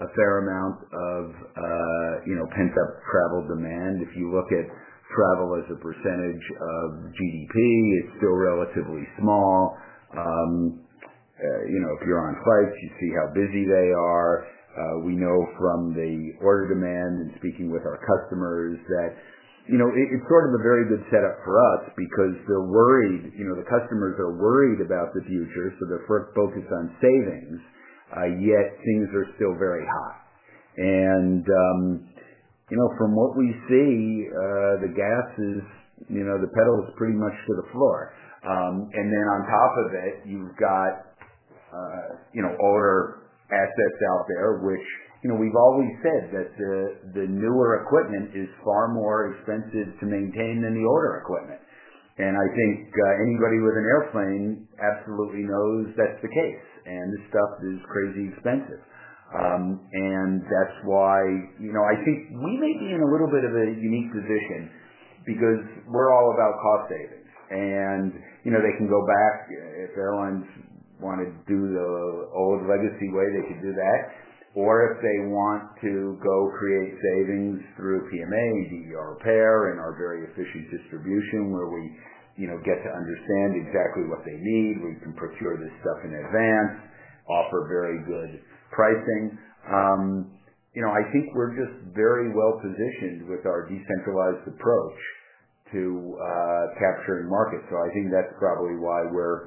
a fair amount of pent-up travel demand. If you look at travel as a percentage of GDP, it's still relatively small. If you're on flights, you see how busy they are. We know from the order demand and speaking with our customers that it's sort of a very good setup for us because they're worried. The customers are worried about the future, so they're focused on savings, yet things are still very hot. From what we see, the gas is the pedal is pretty much to the floor. On top of it, you've got older assets out there, which we've always said that the newer equipment is far more expensive to maintain than the older equipment. I think anybody with an airplane absolutely knows that's the case. This stuff is crazy expensive. That is why I think we may be in a little bit of a unique position because we are all about cost savings. They can go back if airlines want to do the old legacy way, they could do that. If they want to create savings through PMA, DVR Repair, and our very efficient distribution where we get to understand exactly what they need, we can procure this stuff in advance, offer very good pricing. I think we are just very well positioned with our decentralized approach to capturing markets. I think that is probably why we are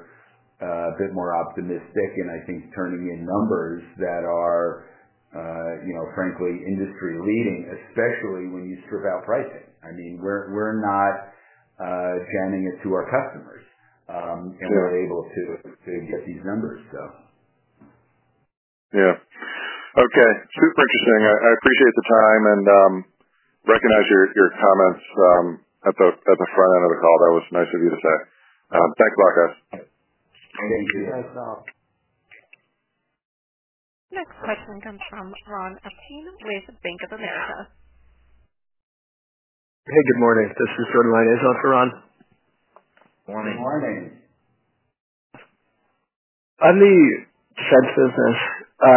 a bit more optimistic. I think turning in numbers that are, frankly, industry-leading, especially when you strip out pricing. I mean, we are not jamming it to our customers, and we are able to get these numbers. Yeah. Okay. Super interesting. I appreciate the time and recognize your comments at the front end of the call. That was nice of you to say. Thanks a lot, guys. Thank you. Next question comes from Ron Apin with Bank of America. Hey, good morning. This is Jordan Lyon. How's it going, Ron? Morning. Good morning. On the defense business, I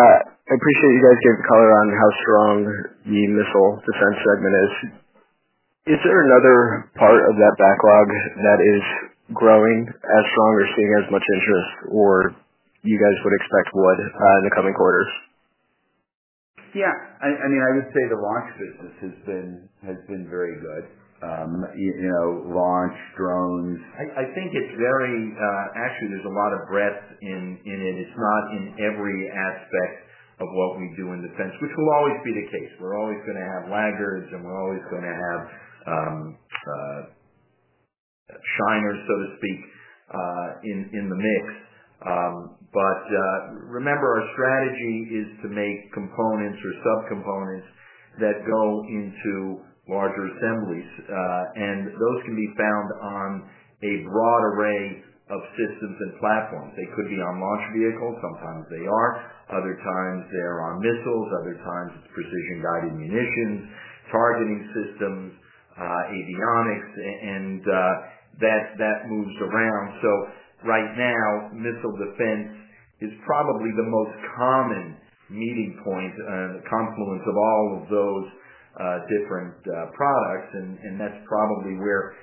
appreciate you guys getting color on how strong the missile defense segment is. Is there another part of that backlog that is growing as strong or seeing as much interest or you guys would expect would in the coming quarters? Yeah. I mean, I would say the launch business has been very good. Launch drones. I think it's very actually, there's a lot of breadth in it. It's not in every aspect of what we do in defense, which will always be the case. We're always going to have laggards, and we're always going to have shiners, so to speak, in the mix. Remember, our strategy is to make components or sub-components that go into larger assemblies. Those can be found on a broad array of systems and platforms. They could be on launch vehicles. Sometimes they are. Other times, they're on missiles. Other times, it's precision-guided munitions, targeting systems, avionics, and that moves around. Right now, missile defense is probably the most common meeting point, confluence of all of those different products. That's probably where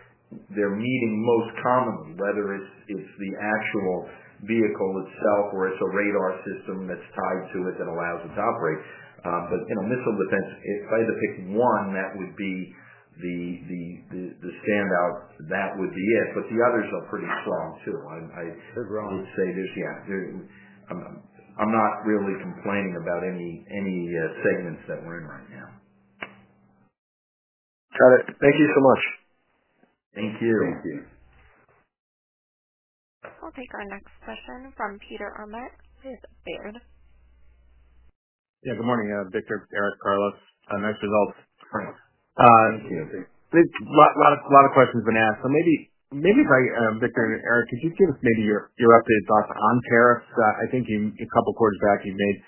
they're meeting most commonly, whether it's the actual vehicle itself or it's a radar system that's tied to it that allows it to operate. Missile defense, if I had to pick one, that would be the standout. That would be it. The others are pretty strong too. I would say there's yeah. I'm not really complaining about any segments that we're in right now. Got it. Thank you so much. Thank you. Thank you. We'll take our next question from Peter Arment with Baird. Yeah. Good morning, Victor, Eric, Carlos. Nice results. Thank you. A lot of questions have been asked. Maybe if I, Victor and Eric, could you give us maybe your updated thoughts on tariffs? I think a couple of quarters back, you made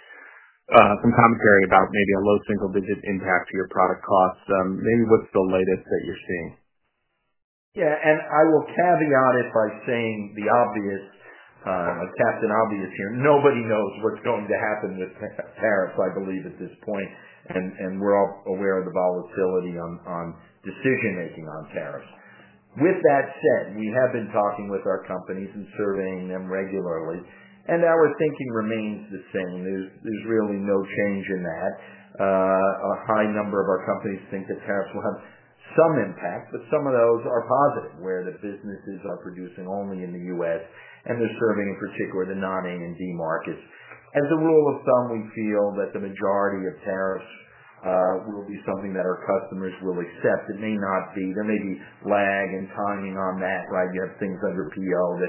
some commentary about maybe a low single-digit impact to your product costs. Maybe what's the latest that you're seeing? Yeah. I will caveat it by saying the obvious, a captain obvious here. Nobody knows what's going to happen with tariffs, I believe, at this point. We're all aware of the volatility on decision-making on tariffs. With that said, we have been talking with our companies and surveying them regularly. Our thinking remains the same. There is really no change in that. A high number of our companies think that tariffs will have some impact, but some of those are positive, where the businesses are producing only in the U.S., and they are serving in particular the non-A and D markets. As a rule of thumb, we feel that the majority of tariffs will be something that our customers will accept. It may not be, there may be lag and timing on that, right? You have things under PO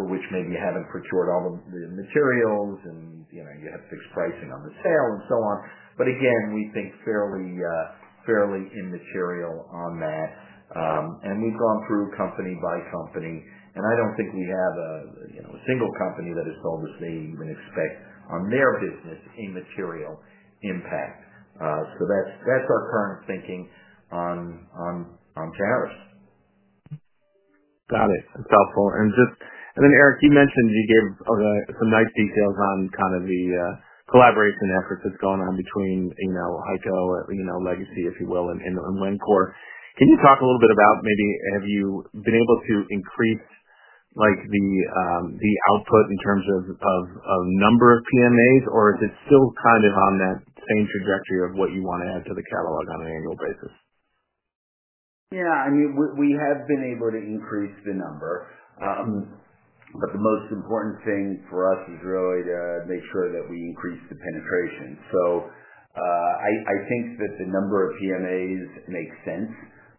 for which maybe you have not procured all the materials, and you have fixed pricing on the sale and so on. Again, we think fairly immaterial on that. We have gone through company by company. I do not think we have a single company that has told us they even expect on their business immaterial impact. That's our current thinking on tariffs. Got it. That's helpful. Eric, you mentioned you gave some nice details on kind of the collaboration efforts that's going on between HEICO, legacy, if you will, and Wencor. Can you talk a little bit about maybe have you been able to increase the output in terms of number of PMAs, or is it still kind of on that same trajectory of what you want to add to the catalog on an annual basis? Yeah. I mean, we have been able to increase the number. The most important thing for us is really to make sure that we increase the penetration. I think that the number of PMAs makes sense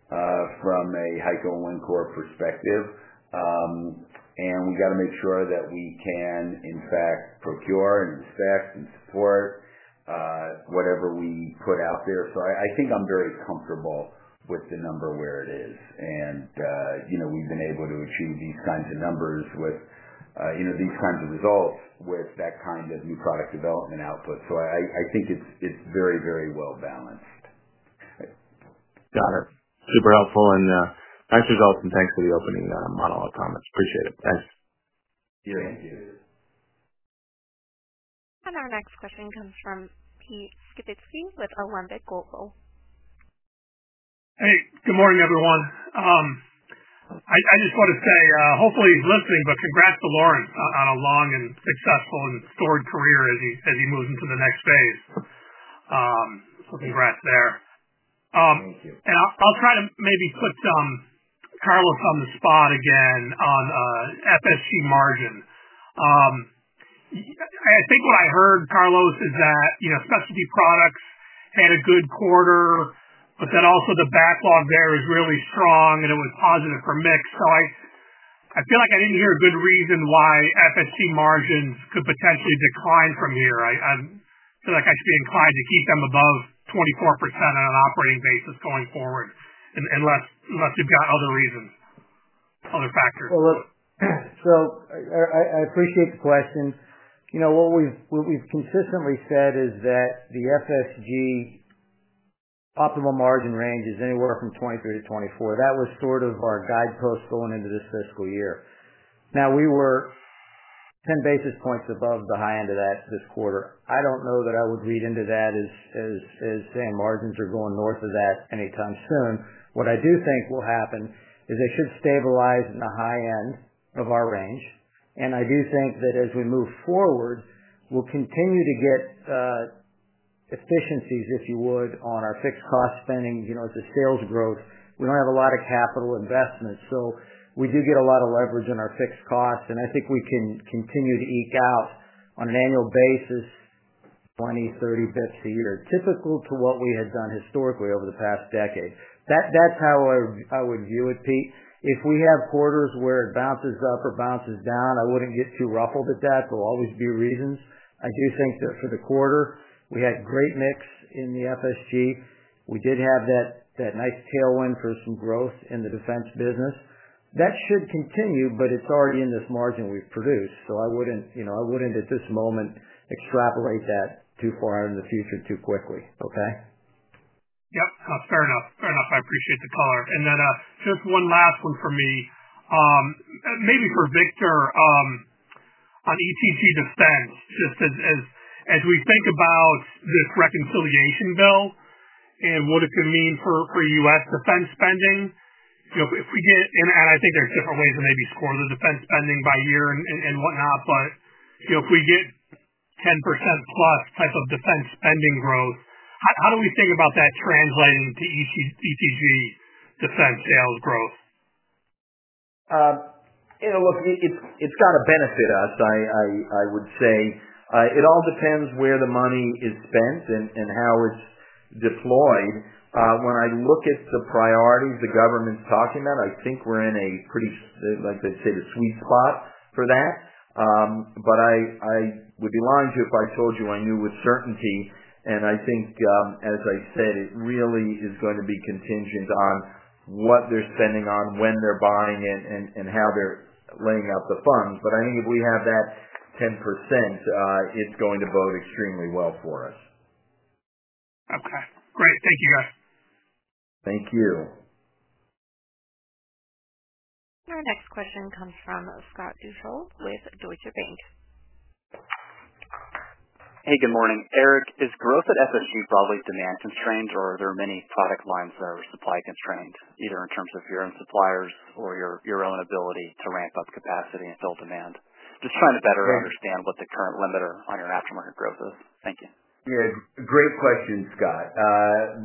from a HEICO and Wencor perspective. We got to make sure that we can, in fact, procure and inspect and support whatever we put out there. I think I'm very comfortable with the number where it is. We've been able to achieve these kinds of numbers with these kinds of results with that kind of new product development output. I think it's very, very well balanced. Got it. Super helpful. Nice results, and thanks for the opening monologue comments. Appreciate it. Thanks. Thank you. Our next question comes from Pete Skibitski with Oppenheimer Global. Hey. Good morning, everyone. I just want to say, hopefully, he's listening, but congrats to Laurans on a long and successful and storied career as he moves into the next phase. Congrats there. Thank you. I'll try to maybe put Carlos on the spot again on FSG margin. I think what I heard, Carlos, is that specialty products had a good quarter, but then also the backlog there is really strong, and it was positive for mix. I feel like I did not hear a good reason why FSG margins could potentially decline from here. I feel like I should be inclined to keep them above 24% on an operating basis going forward unless you have other reasons, other factors. I appreciate the question. What we have consistently said is that the FSG optimal margin range is anywhere from 23-24%. That was sort of our guidepost going into this fiscal year. We were 10 bps above the high end of that this quarter. I do not know that I would read into that as saying margins are going north of that anytime soon. What I do think will happen is they should stabilize in the high end of our range. I do think that as we move forward, we'll continue to get efficiencies, if you would, on our fixed cost spending. It's a sales growth. We don't have a lot of capital investments. We do get a lot of leverage in our fixed costs. I think we can continue to eke out on an annual basis 20 bps-30 bps a year, typical to what we had done historically over the past decade. That's how I would view it, Pete. If we have quarters where it bounces up or bounces down, I wouldn't get too ruffled at that. There'll always be reasons. I do think that for the quarter, we had great mix in the FSG. We did have that nice tailwind for some growth in the defense business. That should continue, but it's already in this margin we've produced. I wouldn't, at this moment, extrapolate that too far out in the future too quickly, okay? Yep. Fair enough. Fair enough. I appreciate the color. And then just one last one for me, maybe for Victor on ETG defense. Just as we think about this reconciliation bill and what it could mean for U.S. defense spending, if we get and I think there's different ways to maybe score the defense spending by year and whatnot. If we get 10%+ type of defense spending growth, how do we think about that translating to ETG defense sales growth? Look, it's got to benefit us, I would say. It all depends where the money is spent and how it's deployed. When I look at the priorities the government's talking about, I think we're in a pretty, like they say, the sweet spot for that. I would be lying to you if I told you I knew with certainty. I think, as I said, it really is going to be contingent on what they're spending on, when they're buying it, and how they're laying out the funds. I think if we have that 10%, it's going to bode extremely well for us. Okay. Great. Thank you, guys. Thank you. Our next question comes from Scott Deuschle with Deutsche Bank. Hey, good morning. Eric, is growth at FSG probably demand-constrained, or are there many product lines that are supply-constrained, either in terms of your own suppliers or your own ability to ramp up capacity and fill demand? Just trying to better understand what the current limiter on your aftermarket growth is. Thank you. Yeah. Great question, Scott.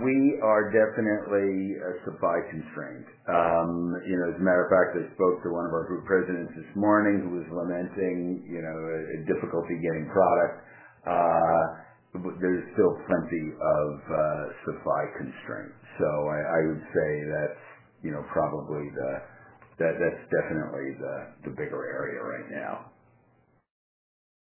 We are definitely supply-constrained. As a matter of fact, I spoke to one of our group presidents this morning who was lamenting difficulty getting product. There's still plenty of supply constraints. I would say that's probably the that's definitely the bigger area right now.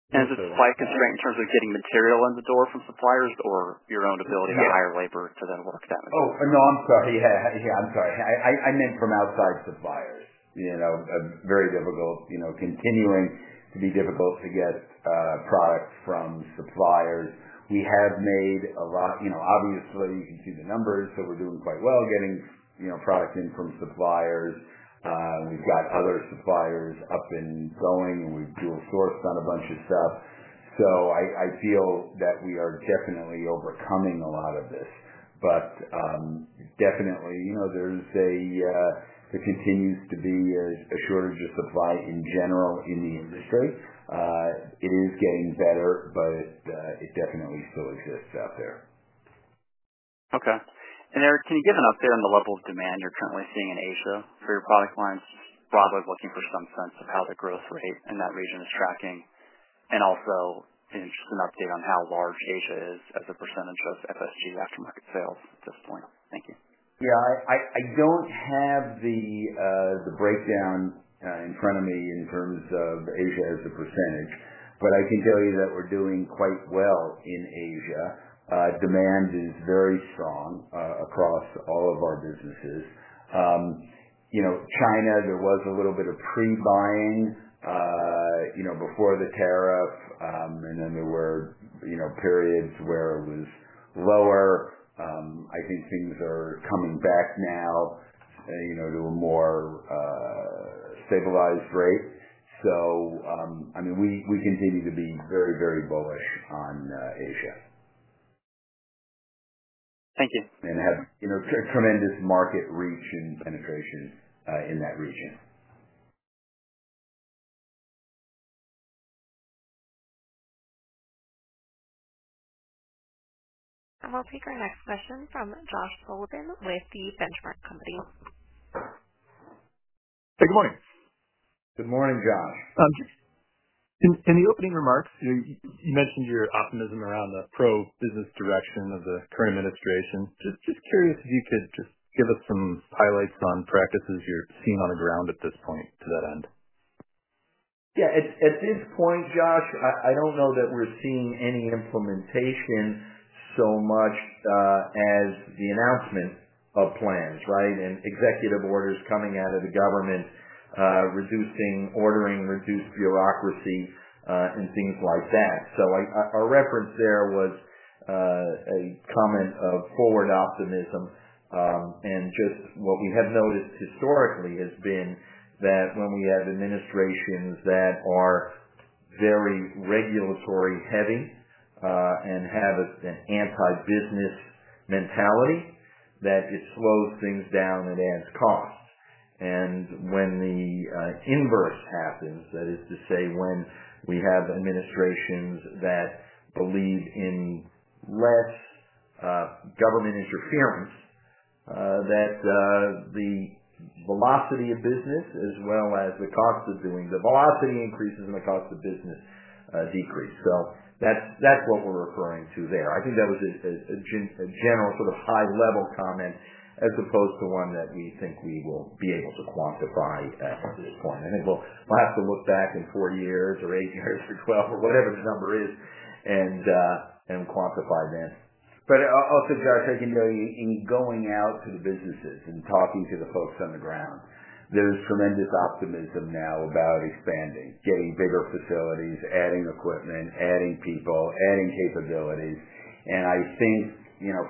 Is it supply-constrained in terms of getting material in the door from suppliers or your own ability to hire labor to then work that material? Oh, no. I'm sorry. Yeah. I'm sorry. I meant from outside suppliers. Very difficult. Continuing to be difficult to get product from suppliers. We have made a lot. Obviously, you can see the numbers. We are doing quite well getting product in from suppliers. We've got other suppliers up and going, and we've dual-sourced on a bunch of stuff. I feel that we are definitely overcoming a lot of this. There continues to be a shortage of supply in general in the industry. It is getting better, but it definitely still exists out there. Okay. Eric, can you give an update on the level of demand you're currently seeing in Asia for your product lines, just broadly looking for some sense of how the growth rate in that region is tracking? Also, just an update on how large Asia is as a percentage of FSG aftermarket sales at this point. Thank you. Yeah. I don't have the breakdown in front of me in terms of Asia as a percentage. I can tell you that we're doing quite well in Asia. Demand is very strong across all of our businesses. China, there was a little bit of pre-buying before the tariff, and then there were periods where it was lower. I think things are coming back now to a more stabilized rate. I mean, we continue to be very, very bullish on Asia. Thank you. And have tremendous market reach and penetration in that region. We'll take our next question from Josh Sullivan with the Benchmark Company. Hey. Good morning. Good morning, Josh. In the opening remarks, you mentioned your optimism around the pro-business direction of the current administration. Just curious if you could just give us some highlights on practices you're seeing on the ground at this point to that end. Yeah. At this point, Josh, I don't know that we're seeing any implementation so much as the announcement of plans, right, and executive orders coming out of the government, reducing ordering, reduced bureaucracy, and things like that. Our reference there was a comment of forward optimism. Just what we have noticed historically has been that when we have administrations that are very regulatory-heavy and have an anti-business mentality, it slows things down and adds costs. When the inverse happens, that is to say when we have administrations that believe in less government interference, the velocity of business as well as the cost of doing the velocity increases and the cost of business decrease. That's what we're referring to there. I think that was a general sort of high-level comment as opposed to one that we think we will be able to quantify at this point. I think we'll have to look back in 40 years or eight years or 12 or whatever the number is and quantify then. Also, Josh, I can tell you, in going out to the businesses and talking to the folks on the ground, there's tremendous optimism now about expanding, getting bigger facilities, adding equipment, adding people, adding capabilities. I think,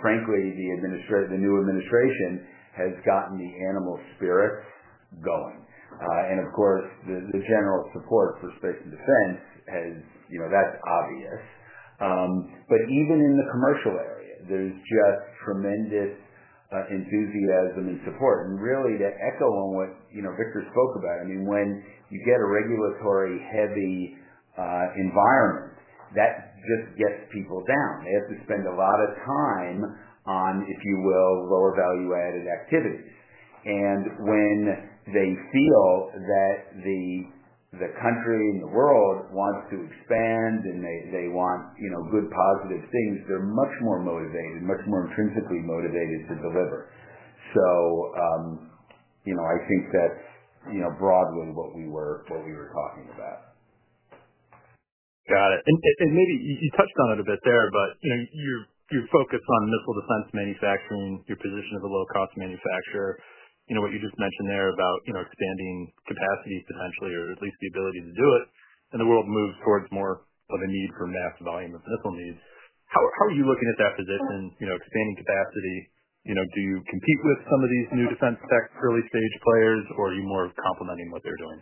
frankly, the new administration has gotten the animal spirits going. Of course, the general support for space and defense has, that's obvious. Even in the commercial area, there's just tremendous enthusiasm and support. Really, to echo on what Victor spoke about, I mean, when you get a regulatory-heavy environment, that just gets people down. They have to spend a lot of time on, if you will, lower value-added activities. When they feel that the country and the world want to expand and they want good, positive things, they're much more motivated, much more intrinsically motivated to deliver. I think that's broadly what we were talking about. Got it. Maybe you touched on it a bit there, but your focus on missile defense manufacturing, your position as a low-cost manufacturer, what you just mentioned there about expanding capacity potentially or at least the ability to do it, and the world moves towards more of a need for mass volume of missile needs. How are you looking at that position, expanding capacity? Do you compete with some of these new defense tech early-stage players, or are you more complementing what they're doing?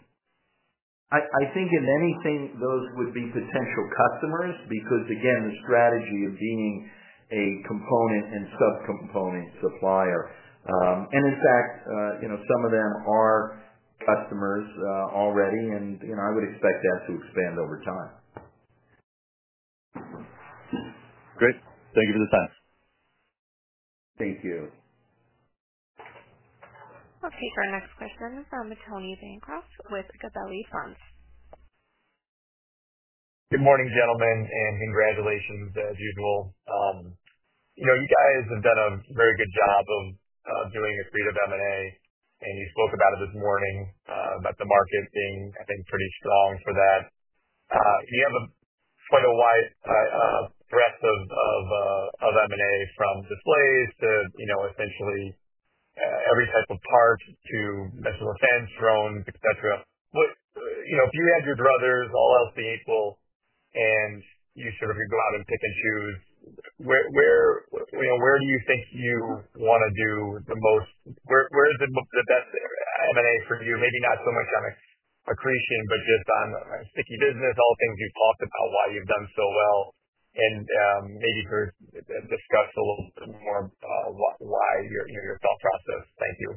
I think, if anything, those would be potential customers because, again, the strategy of being a component and sub-component supplier. In fact, some of them are customers already, and I would expect that to expand over time. Great. Thank you for the time. Thank you. We'll take our next question from Tony Bancroft with Gabelli Funds. Good morning, gentlemen, and congratulations as usual. You guys have done a very good job of doing a suite of M&A, and you spoke about it this morning, about the market being, I think, pretty strong for that. You have quite a wide breadth of M&A from displays to essentially every type of part to missile defense drones, etc. If you had your druthers, all else be equal, and you sort of could go out and pick and choose, where do you think you want to do the most? Where is the best M&A for you? Maybe not so much on accretion, but just on sticky business, all things you've talked about, why you've done so well. Maybe sort of discuss a little bit more why your thought process. Thank you.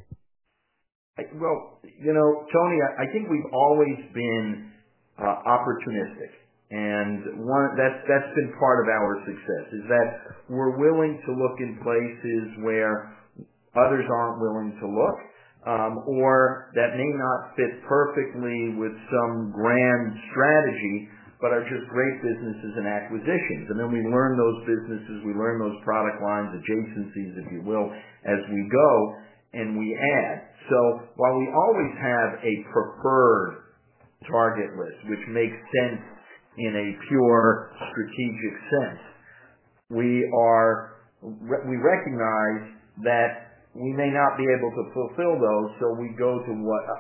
Tony, I think we've always been opportunistic. That has been part of our success, is that we're willing to look in places where others aren't willing to look or that may not fit perfectly with some grand strategy but are just great businesses and acquisitions. Then we learn those businesses. We learn those product lines, adjacencies, if you will, as we go, and we add. While we always have a preferred target list, which makes sense in a pure strategic sense, we recognize that we may not be able to fulfill those, so we go to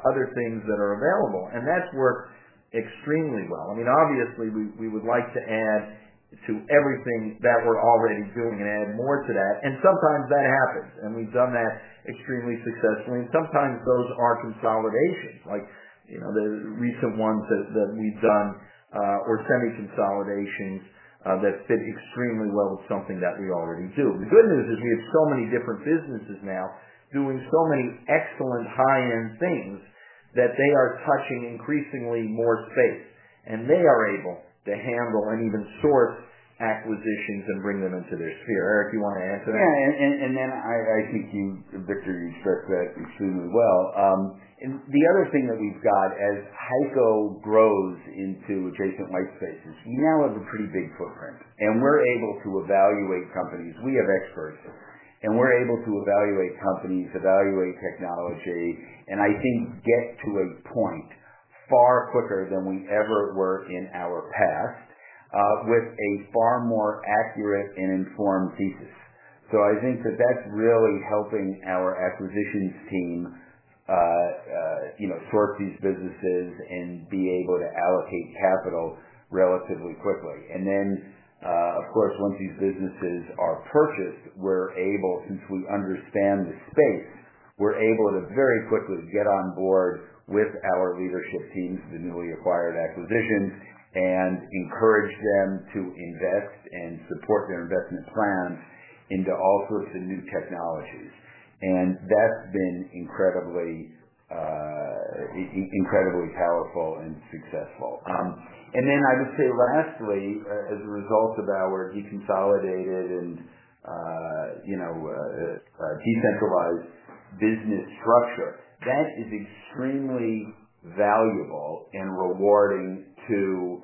other things that are available. That has worked extremely well. I mean, obviously, we would like to add to everything that we're already doing and add more to that. Sometimes that happens. We've done that extremely successfully. Sometimes those are consolidations, like the recent ones that we've done or semi-consolidations that fit extremely well with something that we already do. The good news is we have so many different businesses now doing so many excellent high-end things that they are touching increasingly more space. They are able to handle and even source acquisitions and bring them into their sphere. Eric, you want to answer that? Yeah. I think you, Victor, you struck that extremely well. The other thing that we've got as HEICO grows into adjacent white spaces, we now have a pretty big footprint. We're able to evaluate companies. We have experts. We're able to evaluate companies, evaluate technology, and I think get to a point far quicker than we ever were in our past with a far more accurate and informed thesis. I think that that's really helping our acquisitions team source these businesses and be able to allocate capital relatively quickly. Of course, once these businesses are purchased, we're able, since we understand the space, to very quickly get on board with our leadership teams, the newly acquired acquisitions, and encourage them to invest and support their investment plans into all sorts of new technologies. That's been incredibly powerful and successful. I would say lastly, as a result of our de-consolidated and decentralized business structure, that is extremely valuable and rewarding to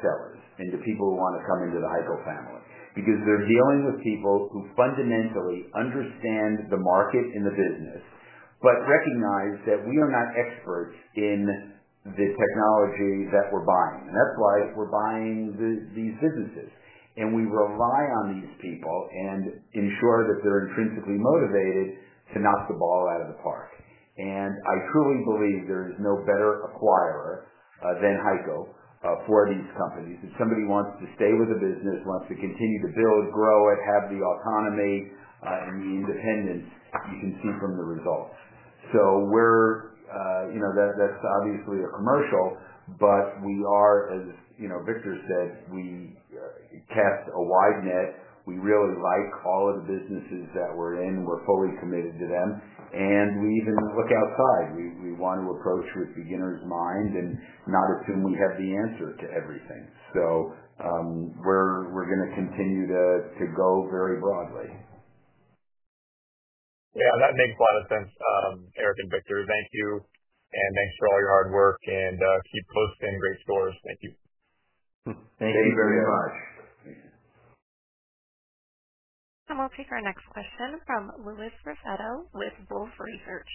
sellers and to people who want to come into the HEICO family because they're dealing with people who fundamentally understand the market and the business but recognize that we are not experts in the technology that we're buying. That's why we're buying these businesses. We rely on these people and ensure that they're intrinsically motivated to knock the ball out of the park. I truly believe there is no better acquirer than HEICO for these companies. If somebody wants to stay with the business, wants to continue to build, grow it, have the autonomy and the independence you can see from the results. That's obviously a commercial, but we are, as Victor said, we cast a wide net. We really like all of the businesses that we're in. We're fully committed to them. We even look outside. We want to approach with beginner's mind and not assume we have the answer to everything. We are going to continue to go very broadly. Yeah. That makes a lot of sense, Eric and Victor. Thank you. Thanks for all your hard work. Keep posting great stories. Thank you. Thank you very much. Thank you. We'll take our next question from Louis Harold Raffetto with Wolfe Research.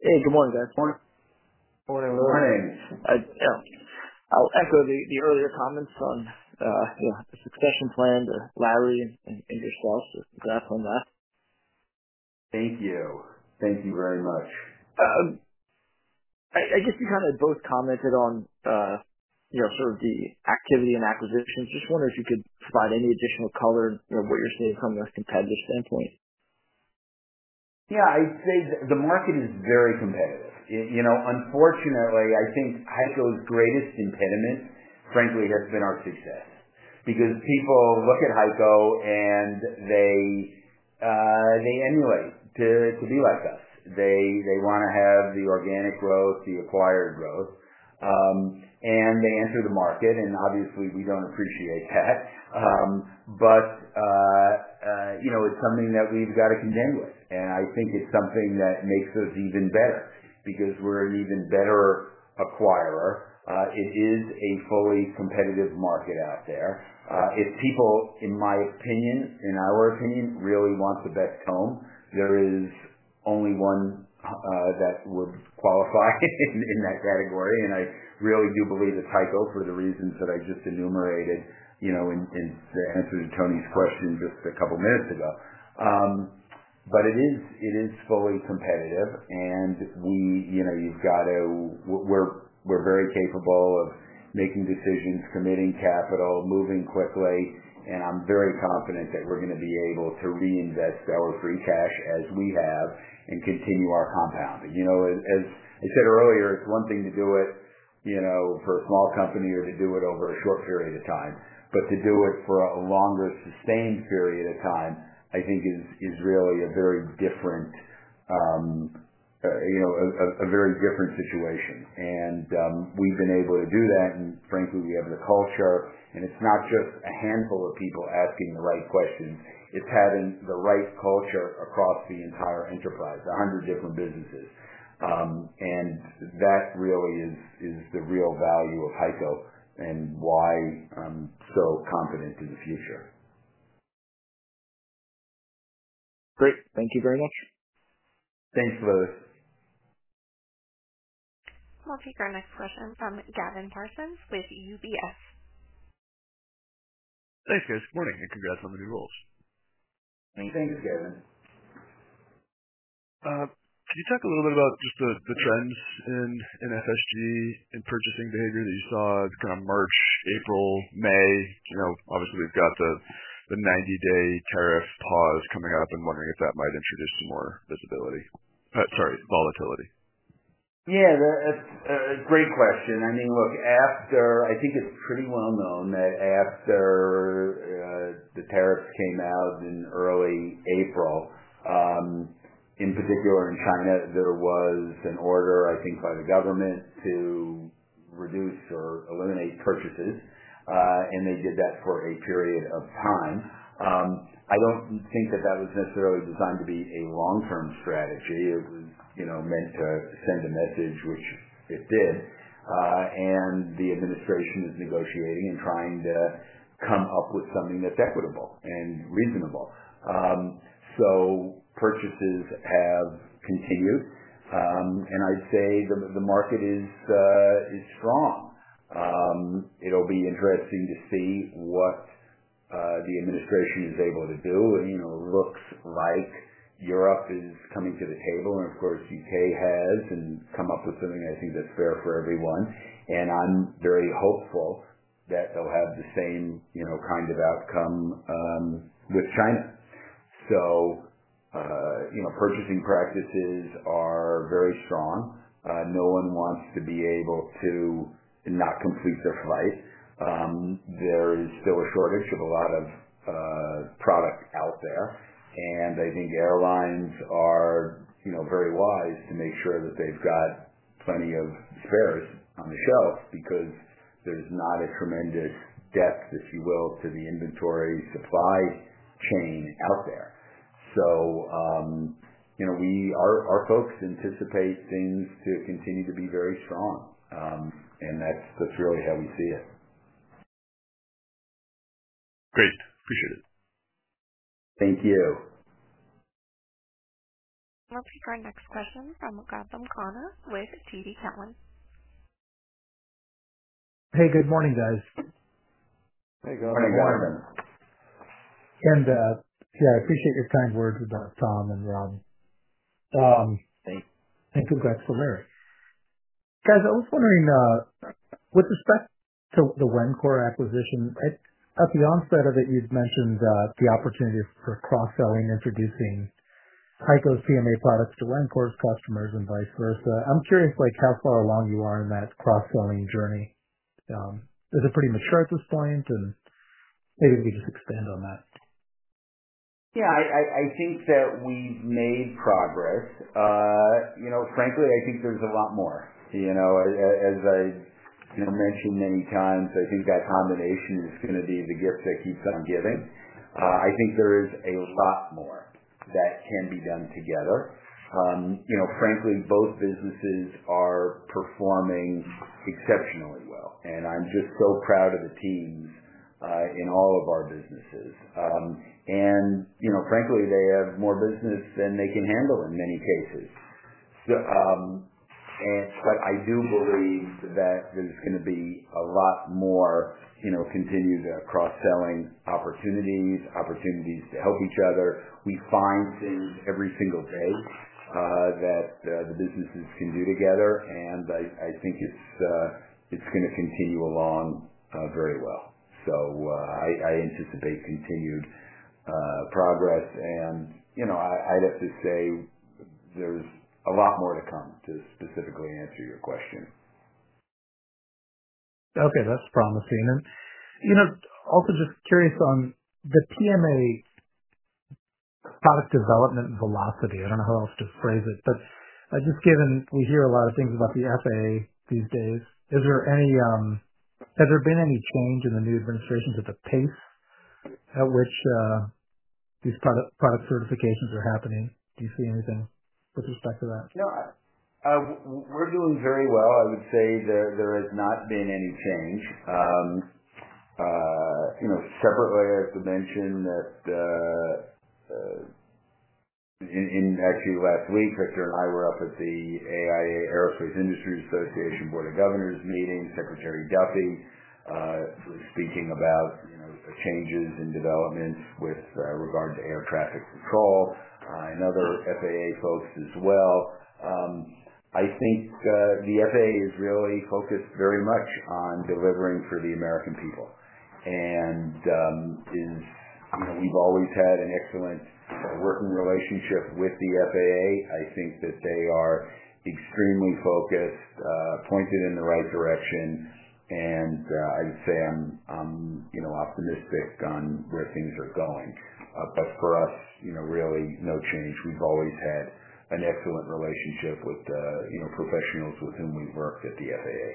Hey. Good morning, guys. Morning. Morning, Louis. Morning. I'll echo the earlier comments on the succession plan, the Larry, and yourself, to grasp on that. Thank you. Thank you very much. I guess you kind of both commented on sort of the activity and acquisitions. Just wondering if you could provide any additional color in what you're seeing from a competitive standpoint. Yeah. I'd say the market is very competitive. Unfortunately, I think HEICO's greatest impediment, frankly, has been our success because people look at HEICO, and they emulate to be like us. They want to have the organic growth, the acquired growth. They enter the market. Obviously, we do not appreciate that. It is something that we have got to contend with. I think it is something that makes us even better because we are an even better acquirer. It is a fully competitive market out there. If people, in my opinion, in our opinion, really want the best comb, there is only one that would qualify in that category. I really do believe it's HEICO for the reasons that I just enumerated in the answer to Tony's question just a couple of minutes ago. It is fully competitive. We are very capable of making decisions, committing capital, moving quickly. I am very confident that we are going to be able to reinvest our free cash as we have and continue our compounding. As I said earlier, it is one thing to do it for a small company or to do it over a short period of time. To do it for a longer, sustained period of time, I think, is really a very different situation. We have been able to do that. Frankly, we have the culture. It is not just a handful of people asking the right questions. It is having the right culture across the entire enterprise, 100 different businesses. That really is the real value of HEICO and why I'm so confident in the future. Great. Thank you very much. Thanks, Louis. We'll take our next question from Gavin Parsons with UBS. Thanks, guys. Good morning. And congrats on the new rules. Thanks, Gavin. Could you talk a little bit about just the trends in FSG and purchasing behavior that you saw kind of March, April, May? Obviously, we've got the 90-day tariff pause coming up and wondering if that might introduce some more visibility, sorry, volatility. Yeah. Great question. I mean, look, I think it's pretty well known that after the tariffs came out in early April, in particular in China, there was an order, I think, by the government to reduce or eliminate purchases. They did that for a period of time. I don't think that that was necessarily designed to be a long-term strategy. It was meant to send a message, which it did. The administration is negotiating and trying to come up with something that's equitable and reasonable. Purchases have continued. I'd say the market is strong. It will be interesting to see what the administration is able to do. It looks like Europe is coming to the table. Of course, the U.K. has come up with something I think is fair for everyone. I am very hopeful that they will have the same kind of outcome with China. Purchasing practices are very strong. No one wants to be able to not complete their flight. There is still a shortage of a lot of product out there. I think airlines are very wise to make sure that they've got plenty of spares on the shelf because there's not a tremendous depth, if you will, to the inventory supply chain out there. Our folks anticipate things to continue to be very strong. That's really how we see it. Great. Appreciate it. Thank you. We'll take our next question from Gautam Khanna with TD Cowen. Hey. Good morning, guys. Hey, Gautam. Morning, Gautam. Yeah, I appreciate your kind words with Tom and Rob. Thanks. And congrats to Larry. Guys, I was wondering, with respect to the Wencor acquisition, at the onset of it, you'd mentioned the opportunity for cross-selling, introducing HEICO's PMA products to Wencor's customers and vice versa. I'm curious how far along you are in that cross-selling journey. Is it pretty mature at this point? Maybe we could just expand on that. Yeah. I think that we've made progress. Frankly, I think there's a lot more. As I mentioned many times, I think that combination is going to be the gift that keeps on giving. I think there is a lot more that can be done together. Frankly, both businesses are performing exceptionally well. I am just so proud of the teams in all of our businesses. Frankly, they have more business than they can handle in many cases. I do believe that there's going to be a lot more continued cross-selling opportunities, opportunities to help each other. We find things every single day that the businesses can do together. I think it's going to continue along very well. I anticipate continued progress. I have to say there's a lot more to come to specifically answer your question. Okay. That's promising. Also just curious on the PMA product development velocity. I do not know how else to phrase it. Just given we hear a lot of things about the FAA these days, has there been any change in the new administration to the pace at which these product certifications are happening? Do you see anything with respect to that? No. We are doing very well. I would say there has not been any change. Separately, I have to mention that actually last week, Victor and I were up at the AIA Aerospace Industries Association Board of Governors meeting. Secretary Duffy was speaking about changes and developments with regard to air traffic control and other FAA folks as well. I think the FAA is really focused very much on delivering for the American people. We have always had an excellent working relationship with the FAA. I think that they are extremely focused, pointed in the right direction. I would say I'm optimistic on where things are going. For us, really no change. We've always had an excellent relationship with the professionals with whom we've worked at the FAA.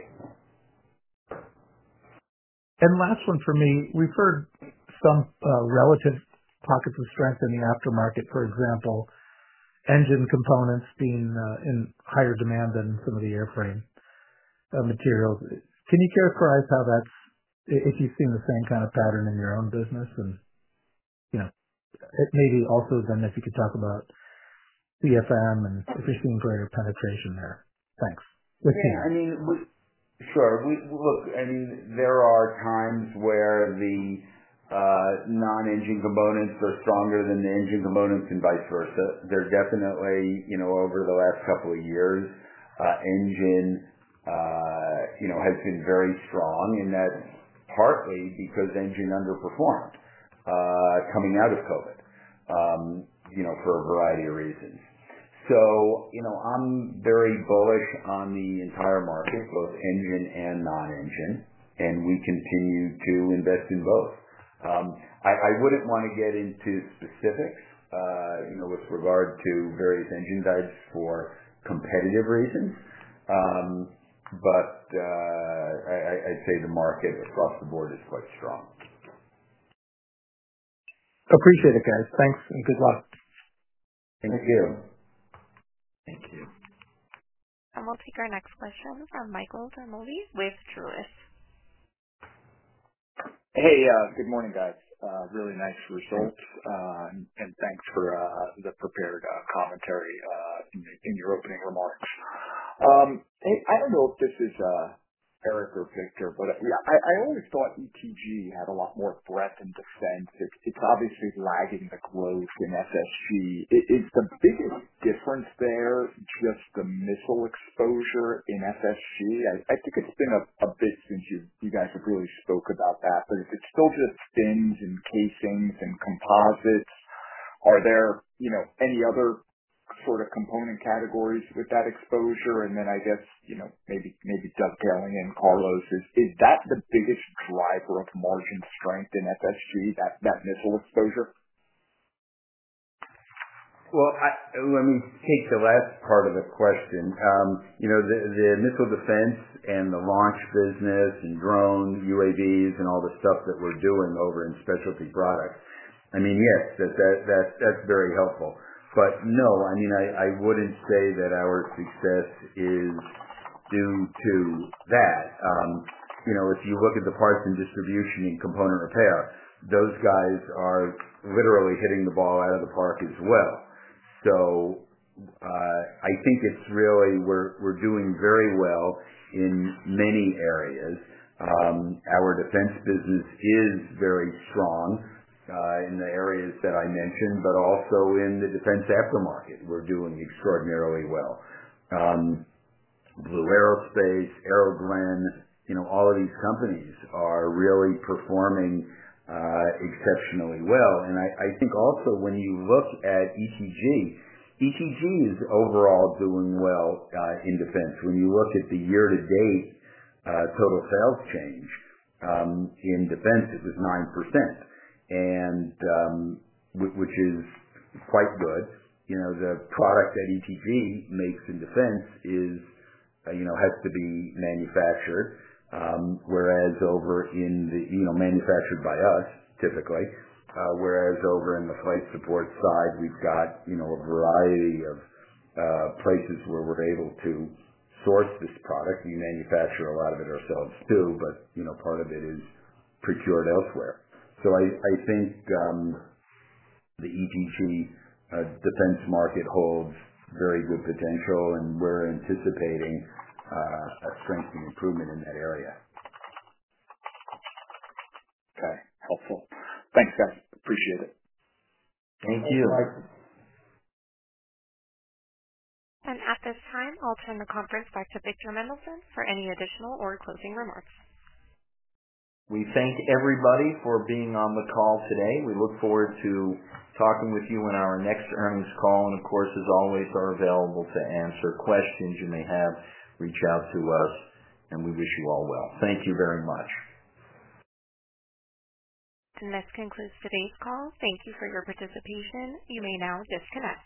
Last one for me. We've heard some relative pockets of strength in the aftermarket, for example, engine components being in higher demand than some of the airframe materials. Can you characterize how that's if you've seen the same kind of pattern in your own business? Maybe also then if you could talk about CFM and if you're seeing greater penetration there. Thanks. With TD. Yeah. I mean, sure. Look, I mean, there are times where the non-engine components are stronger than the engine components and vice versa. There definitely, over the last couple of years, engine has been very strong. That is partly because engine underperformed coming out of COVID for a variety of reasons. I am very bullish on the entire market, both engine and non-engine. We continue to invest in both. I would not want to get into specifics with regard to various engine types for competitive reasons. I would say the market across the board is quite strong. Appreciate it, guys. Thanks and good luck. Thank you. Thank you. We will take our next question from Michael Ciarmoli with Truist. Hey. Good morning, guys. Really nice results. Thanks for the prepared commentary in your opening remarks. I do not know if this is Eric or Victor, but I always thought ETG had a lot more breadth and defense. It is obviously lagging the growth in FSG. Is the biggest difference there just the missile exposure in FSG? I think it's been a bit since you guys have really spoke about that. If it's still just fins and casings and composites, are there any other sort of component categories with that exposure? I guess maybe dovetailing in, Carlos, is that the biggest driver of margin strength in FSG, that missile exposure? Let me take the last part of the question. The missile defense and the launch business and drones, UAVs, and all the stuff that we're doing over in specialty products, I mean, yes, that's very helpful. No, I mean, I wouldn't say that our success is due to that. If you look at the parts and distribution and component repair, those guys are literally hitting the ball out of the park as well. I think it's really we're doing very well in many areas. Our defense business is very strong in the areas that I mentioned, but also in the defense aftermarket. We're doing extraordinarily well. Blue Aerospace, Aerogren, all of these companies are really performing exceptionally well. I think also when you look at ETG, ETG is overall doing well in defense. When you look at the year-to-date total sales change in defense, it was 9%, which is quite good. The product that ETG makes in defense has to be manufactured, whereas over in the manufactured by us, typically, whereas over in the flight support side, we've got a variety of places where we're able to source this product. We manufacture a lot of it ourselves too, but part of it is procured elsewhere. I think the ETG defense market holds very good potential. We're anticipating a strengthening improvement in that area. Okay. Helpful. Thanks, guys. Appreciate it. Thank you. Bye-bye. At this time, I'll turn the conference back to Victor Mendelson for any additional or closing remarks. We thank everybody for being on the call today. We look forward to talking with you in our next earnings call. Of course, as always, are available to answer questions you may have. Reach out to us. We wish you all well. Thank you very much. This concludes today's call. Thank you for your participation. You may now disconnect.